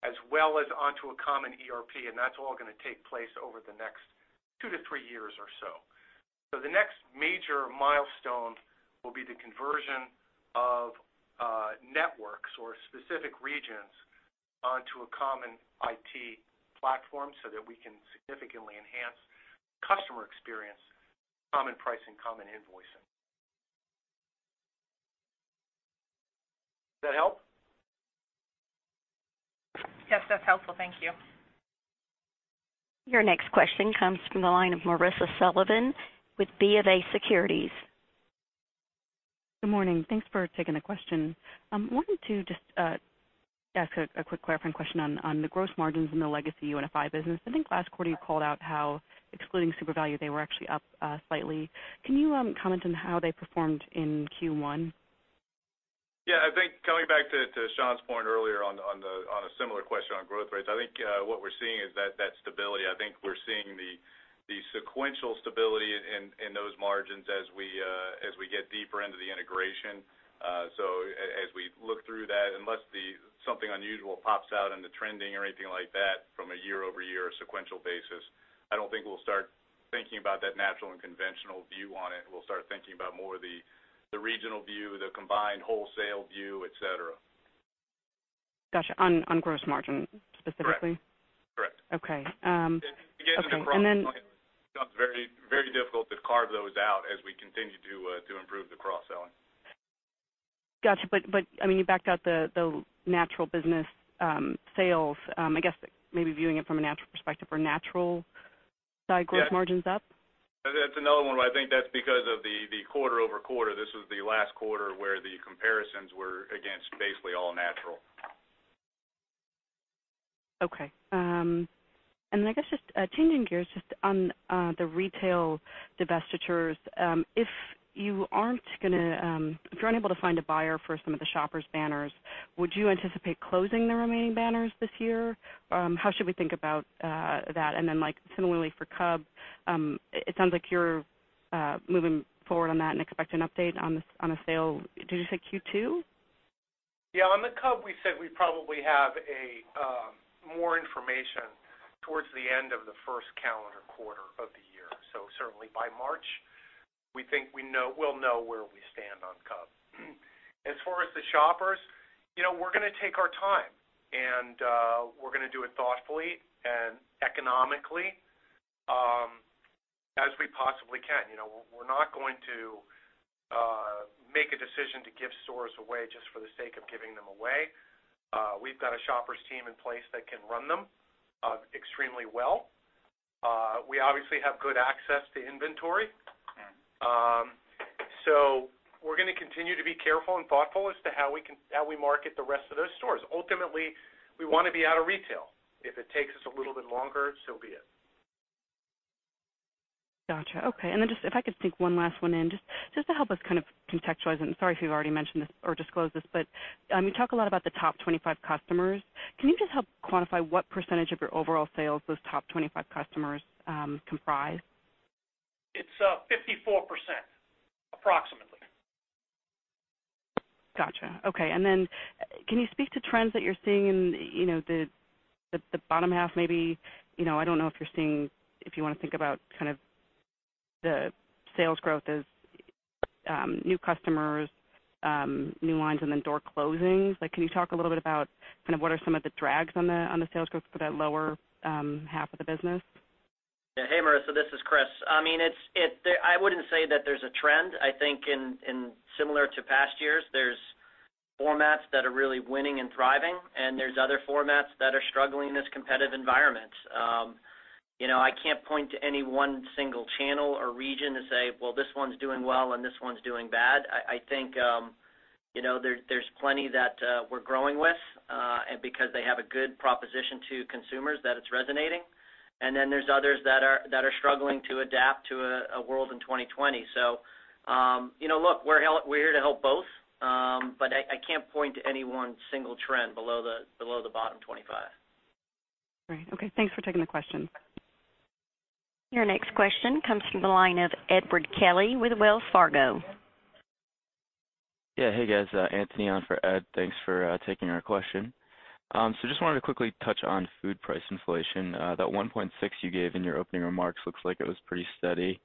as well as onto a common ERP. That is all going to take place over the next two to three years or so. The next major milestone will be the conversion of networks or specific regions onto a common IT platform so that we can significantly enhance customer experience, common pricing, common invoicing. Does that help?
Yes, that's helpful. Thank you.
Your next question comes from the line of Marisa Sullivan with BofA Securities.
Good morning. Thanks for taking the question. I wanted to just ask a quick clarifying question on the gross margins and the legacy UNFI business. I think last quarter you called out how excluding Supervalu, they were actually up slightly. Can you comment on how they performed in Q1?
Yeah. I think coming back to Sean's point earlier on a similar question on growth rates, I think what we're seeing is that stability. I think we're seeing the sequential stability in those margins as we get deeper into the integration. As we look through that, unless something unusual pops out in the trending or anything like that from a year-over-year sequential basis, I don't think we'll start thinking about that natural and conventional view on it. We'll start thinking about more of the regional view, the combined wholesale view, etc.
Gotcha. On gross margin specifically?
Correct.
Okay. Okay. And then.
It becomes very difficult to carve those out as we continue to improve the cross-selling.
Gotcha. I mean, you backed out the natural business sales. I guess maybe viewing it from a natural perspective, are natural side growth margins up?
Yeah. That's another one where I think that's because of the quarter-over-quarter. This was the last quarter where the comparisons were against basically all natural.
Okay. I guess just changing gears just on the retail divestitures. If you aren't going to, if you're unable to find a buyer for some of the Shoppers banners, would you anticipate closing the remaining banners this year? How should we think about that? Similarly for Cub, it sounds like you're moving forward on that and expect an update on a sale. Did you say Q2?
Yeah. On the Cub, we said we probably have more information towards the end of the first calendar quarter of the year. Certainly by March, we think we'll know where we stand on Cub. As far as the Shoppers, we're going to take our time, and we're going to do it as thoughtfully and economically as we possibly can. We're not going to make a decision to give stores away just for the sake of giving them away. We've got a Shoppers team in place that can run them extremely well. We obviously have good access to inventory. We're going to continue to be careful and thoughtful as to how we market the rest of those stores. Ultimately, we want to be out of retail. If it takes us a little bit longer, so be it.
Gotcha. Okay. If I could stick one last one in, just to help us kind of contextualize it. Sorry if you've already mentioned this or disclosed this, but you talk a lot about the top 25 customers. Can you just help quantify what percentage of your overall sales those top 25 customers comprise?
It's 54%, approximately.
Gotcha. Okay. Can you speak to trends that you're seeing in the bottom half? Maybe I don't know if you're seeing if you want to think about kind of the sales growth as new customers, new lines, and then door closings. Can you talk a little bit about kind of what are some of the drags on the sales growth for that lower half of the business?
Yeah. Hey, Marisa. This is Chris. I mean, I would not say that there is a trend. I think similar to past years, there are formats that are really winning and thriving, and there are other formats that are struggling in this competitive environment. I cannot point to any one single channel or region to say, "Well, this one is doing well and this one is doing bad." I think there are plenty that we are growing with because they have a good proposition to consumers that it is resonating. And then there are others that are struggling to adapt to a world in 2020. Look, we are here to help both, but I cannot point to any one single trend below the bottom 25.
Right. Okay. Thanks for taking the question.
Your next question comes from the line of Edward Kelly with Wells Fargo. Yeah. Hey, guys. Anthony on for Ed. Thanks for taking our question. Just wanted to quickly touch on food price inflation. That 1.6% you gave in your opening remarks looks like it was pretty steady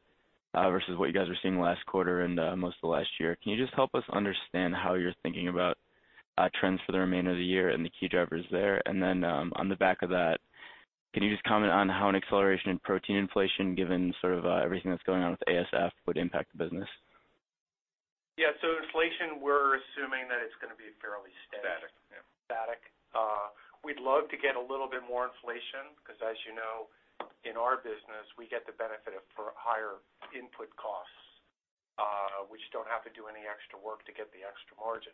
versus what you guys were seeing last quarter and most of the last year. Can you just help us understand how you're thinking about trends for the remainder of the year and the key drivers there? On the back of that, can you just comment on how an acceleration in protein inflation given sort of everything that's going on with ASF would impact the business?
Yeah. Inflation, we're assuming that it's going to be fairly steady.
Static.
Static. We'd love to get a little bit more inflation because, as you know, in our business, we get the benefit of higher input costs. We just don't have to do any extra work to get the extra margin.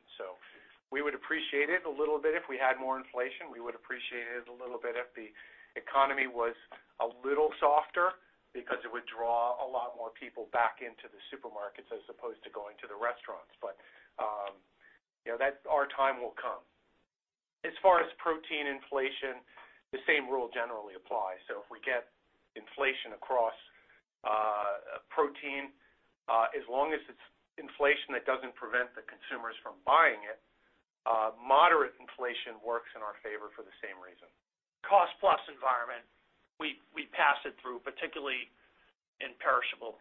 We would appreciate it a little bit if we had more inflation. We would appreciate it a little bit if the economy was a little softer because it would draw a lot more people back into the supermarkets as opposed to going to the restaurants. Our time will come. As far as protein inflation, the same rule generally applies. If we get inflation across protein, as long as it's inflation that doesn't prevent the consumers from buying it, moderate inflation works in our favor for the same reason. Cost-plus environment, we pass it through, particularly in perishable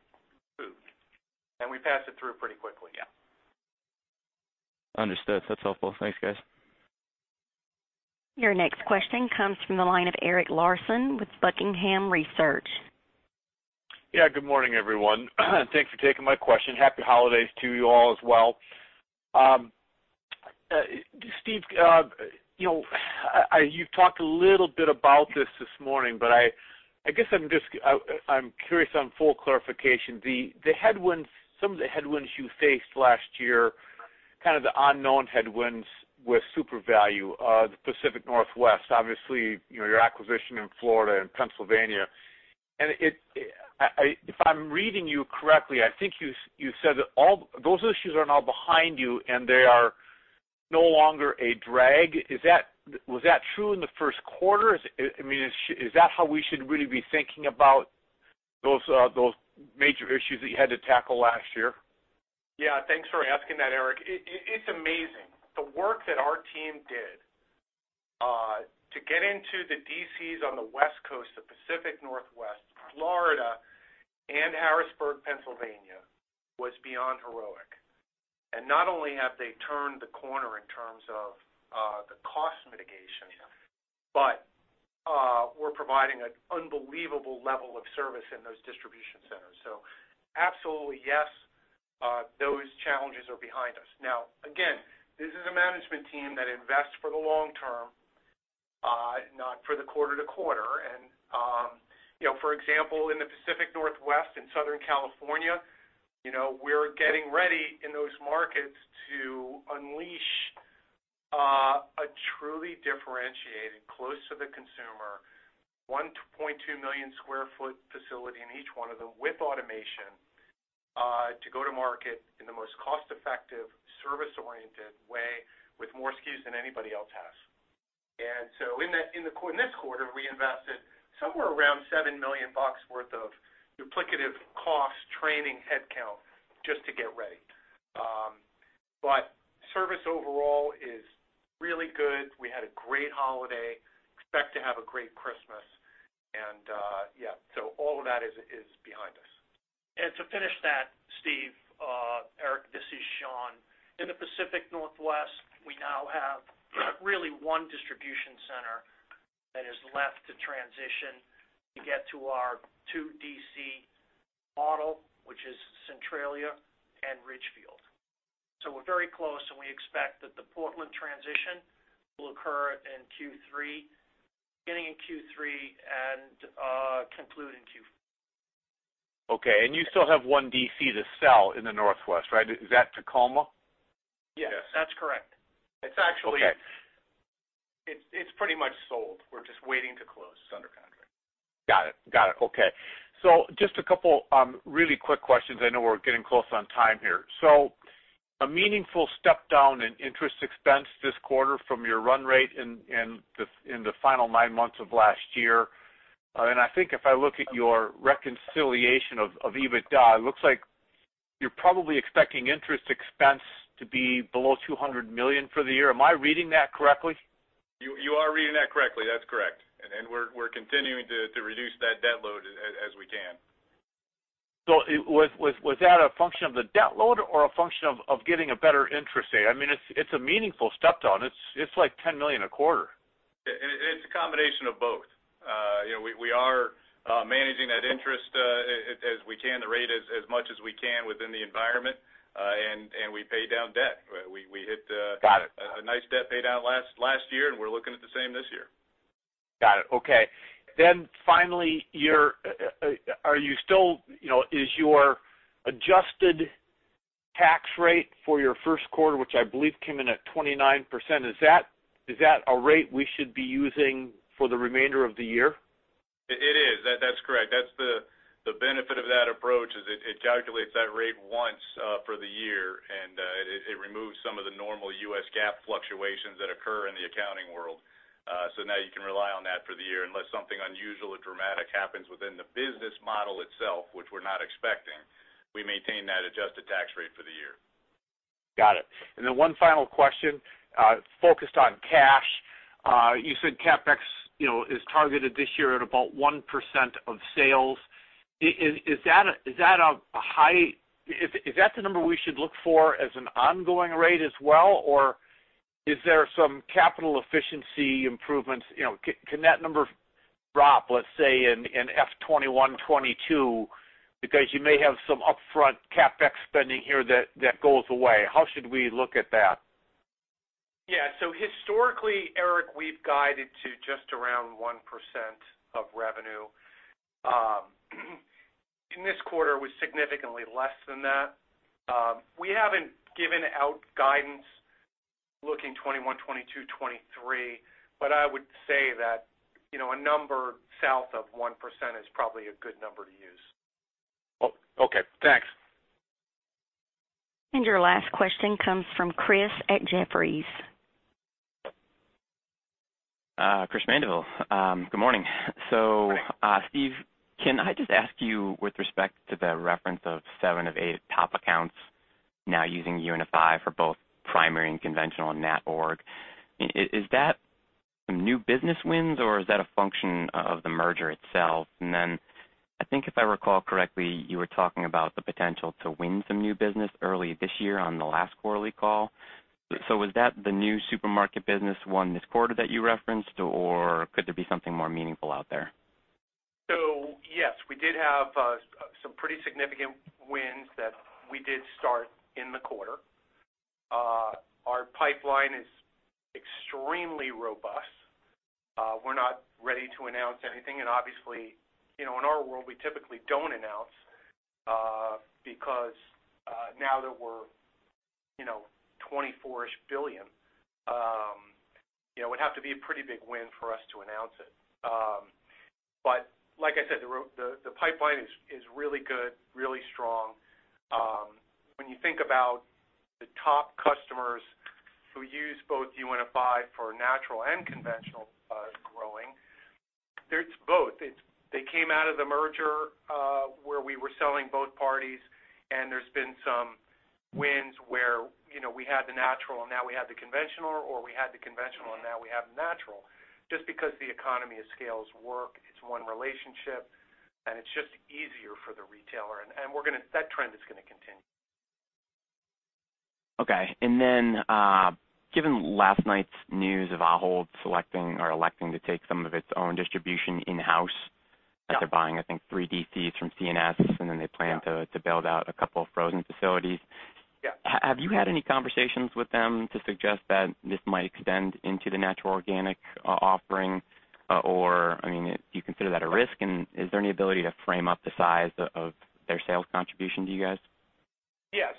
food. We pass it through pretty quickly. Yeah. Understood. That's helpful. Thanks, guys.
Your next question comes from the line of Eric Larson with Buckingham Research. Yeah. Good morning, everyone. Thanks for taking my question. Happy holidays to you all as well. Steve, you've talked a little bit about this this morning, but I guess I'm curious on full clarification. Some of the headwinds you faced last year, kind of the unknown headwinds with Supervalu, the Pacific Northwest, obviously your acquisition in Florida and Pennsylvania. If I'm reading you correctly, I think you said that those issues are now behind you and they are no longer a drag. Was that true in the first quarter? I mean, is that how we should really be thinking about those major issues that you had to tackle last year?
Yeah. Thanks for asking that, Eric. It's amazing. The work that our team did to get into the DCs on the West Coast, the Pacific Northwest, Florida, and Harrisburg, Pennsylvania was beyond heroic. Not only have they turned the corner in terms of the cost mitigation, but we're providing an unbelievable level of service in those distribution centers. Absolutely, yes, those challenges are behind us. This is a management team that invests for the long term, not for the quarter-to-quarter. For example, in the Pacific Northwest and Southern California, we're getting ready in those markets to unleash a truly differentiated, close to the consumer, 1.2 million sq ft facility in each one of them with automation to go to market in the most cost-effective, service-oriented way with more SKUs than anybody else has. In this quarter, we invested somewhere around $7 million worth of duplicative costs, training, headcount just to get ready. Service overall is really good. We had a great holiday. Expect to have a great Christmas. Yeah, all of that is behind us.
To finish that, Steve, Eric, this is Sean. In the Pacific Northwest, we now have really one distribution center that is left to transition to get to our two DC model, which is Centralia and Ridgefield. We are very close, and we expect that the Portland transition will occur in Q3, beginning in Q3 and concluding Q4. Okay. You still have one DC to sell in the Northwest, right? Is that Tacoma? Yes. That's correct. It's pretty much sold. We are just waiting to close the under-contract. Got it. Got it. Okay. Just a couple of really quick questions. I know we are getting close on time here. A meaningful step down in interest expense this quarter from your run rate in the final nine months of last year. I think if I look at your reconciliation of EBITDA, it looks like you're probably expecting interest expense to be below $200 million for the year. Am I reading that correctly?
You are reading that correctly. That is correct. We are continuing to reduce that debt load as we can. Was that a function of the debt load or a function of getting a better interest rate? I mean, it's a meaningful step down. It's like $10 million a quarter. It is a combination of both. We are managing that interest as we can, the rate as much as we can within the environment, and we pay down debt. We hit a nice debt paydown last year, and we are looking at the same this year. Got it. Okay. Finally, are you still, is your adjusted tax rate for your first quarter, which I believe came in at 29%, is that a rate we should be using for the remainder of the year? It is. That's correct. That's the benefit of that approach is it calculates that rate once for the year, and it removes some of the normal U.S. GAAP fluctuations that occur in the accounting world. Now you can rely on that for the year unless something unusual or dramatic happens within the business model itself, which we're not expecting. We maintain that adjusted tax rate for the year. Got it. One final question focused on cash. You said CapEx is targeted this year at about 1% of sales. Is that a high? Is that the number we should look for as an ongoing rate as well, or is there some capital efficiency improvements? Can that number drop, let's say, in FY 2021, FY 2022, because you may have some upfront CapEx spending here that goes away? How should we look at that?
Yeah. Historically, Eric, we've guided to just around 1% of revenue. In this quarter, it was significantly less than that. We haven't given out guidance looking 2021, 2022, 2023, but I would say that a number south of 1% is probably a good number to use. Okay. Thanks.
Your last question comes from Chris at Jefferies. Good morning. Steve, can I just ask you with respect to the reference of seven of eight top accounts now using UNFI for both primary and conventional and NatOrg? Is that some new business wins, or is that a function of the merger itself? I think if I recall correctly, you were talking about the potential to win some new business early this year on the last quarterly call. Was that the new supermarket business won this quarter that you referenced, or could there be something more meaningful out there?
Yes, we did have some pretty significant wins that we did start in the quarter. Our pipeline is extremely robust. We're not ready to announce anything. Obviously, in our world, we typically don't announce because now that we're $24-ish billion, it would have to be a pretty big win for us to announce it. Like I said, the pipeline is really good, really strong. When you think about the top customers who use both UNFI for natural and conventional growing, it's both. They came out of the merger where we were selling both parties, and there's been some wins where we had the natural and now we had the conventional, or we had the conventional and now we have the natural. Just because the economy of scales work, it's one relationship, and it's just easier for the retailer. That trend is going to continue. Okay. Given last night's news of Ahold selecting or electing to take some of its own distribution in-house, that they're buying, I think, three DCs from C&S, and then they plan to build out a couple of frozen facilities. Have you had any conversations with them to suggest that this might extend into the natural organic offering? I mean, do you consider that a risk? Is there any ability to frame up the size of their sales contribution to you guys? Yeah.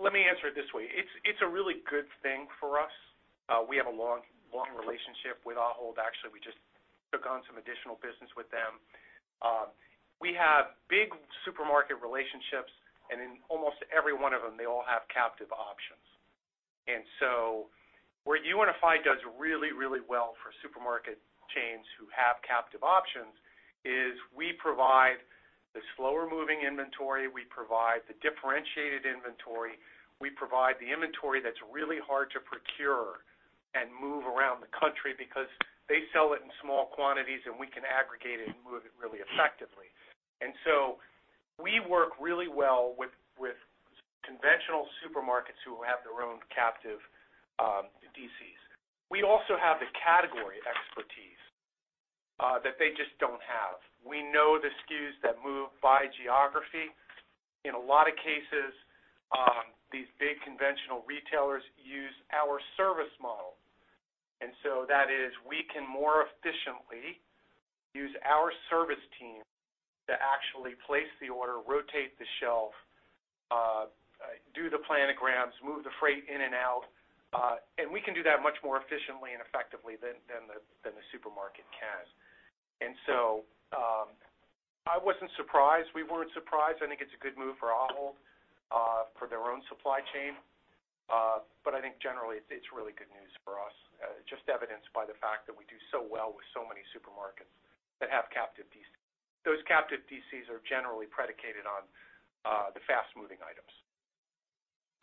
Let me answer it this way. It's a really good thing for us. We have a long relationship with [Ahold]. Actually, we just took on some additional business with them. We have big supermarket relationships, and in almost every one of them, they all have captive options. Where UNFI does really, really well for supermarket chains who have captive options is we provide the slower-moving inventory. We provide the differentiated inventory. We provide the inventory that's really hard to procure and move around the country because they sell it in small quantities, and we can aggregate it and move it really effectively. We work really well with conventional supermarkets who have their own captive DCs. We also have the category expertise that they just don't have. We know the SKUs that move by geography. In a lot of cases, these big conventional retailers use our service model. That is, we can more efficiently use our service team to actually place the order, rotate the shelf, do the planograms, move the freight in and out. We can do that much more efficiently and effectively than the supermarket can. I was not surprised. We were not surprised. I think it is a good move for Ahold for their own supply chain. I think generally, it is really good news for us, just evidenced by the fact that we do so well with so many supermarkets that have captive DCs. Those captive DCs are generally predicated on the fast-moving items.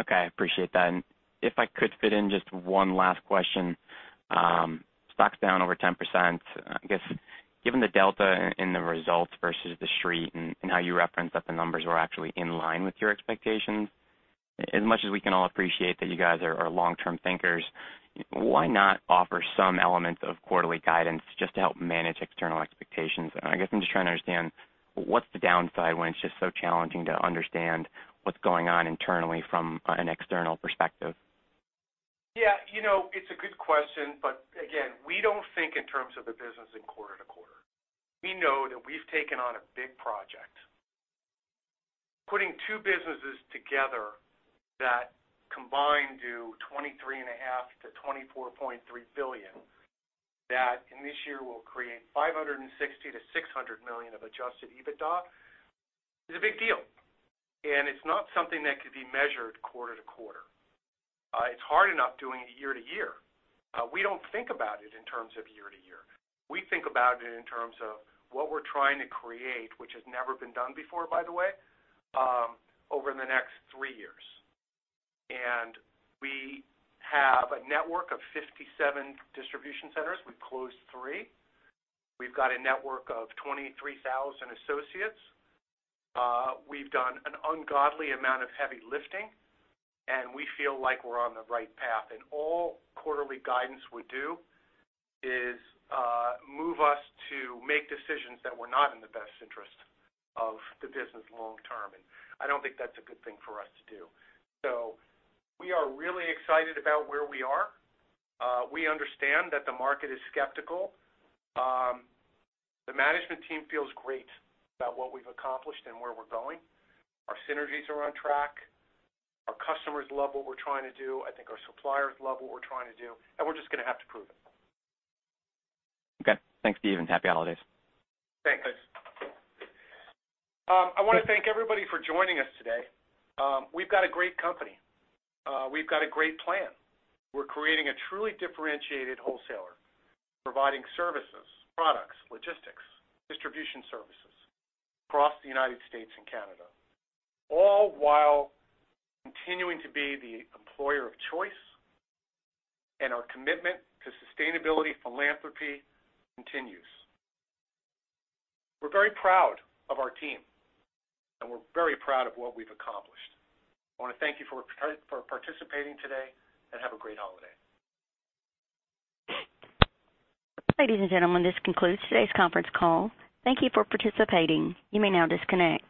Okay. I appreciate that. If I could fit in just one last question. Stock's down over 10%. I guess given the delta in the results versus the street and how you referenced that the numbers were actually in line with your expectations, as much as we can all appreciate that you guys are long-term thinkers, why not offer some elements of quarterly guidance just to help manage external expectations? I guess I'm just trying to understand what's the downside when it's just so challenging to understand what's going on internally from an external perspective? Yeah. It's a good question. Again, we don't think in terms of the business in quarter to quarter. We know that we've taken on a big project. Putting two businesses together that combined do $23.5 billion-$24.3 billion, that in this year will create $560 million-$600 million of adjusted EBITDA, is a big deal. It's not something that could be measured quarter to quarter. It's hard enough doing it year to year. We don't think about it in terms of year to year. We think about it in terms of what we're trying to create, which has never been done before, by the way, over the next three years. We have a network of 57 distribution centers. We closed three. We've got a network of 23,000 associates. We've done an ungodly amount of heavy lifting, and we feel like we're on the right path. All quarterly guidance would do is move us to make decisions that were not in the best interest of the business long-term. I do not think that is a good thing for us to do. We are really excited about where we are. We understand that the market is skeptical. The management team feels great about what we have accomplished and where we are going. Our synergies are on track. Our customers love what we are trying to do. I think our suppliers love what we are trying to do. We are just going to have to prove it. Okay. Thanks, Steve. Happy holidays. Thanks. I want to thank everybody for joining us today. We've got a great company. We've got a great plan. We're creating a truly differentiated wholesaler providing services, products, logistics, distribution services across the U.S. and Canada, all while continuing to be the employer of choice and our commitment to sustainability philanthropy continues. We're very proud of our team, and we're very proud of what we've accomplished. I want to thank you for participating today and have a great holiday.
Ladies and gentlemen, this concludes today's conference call. Thank you for participating. You may now disconnect.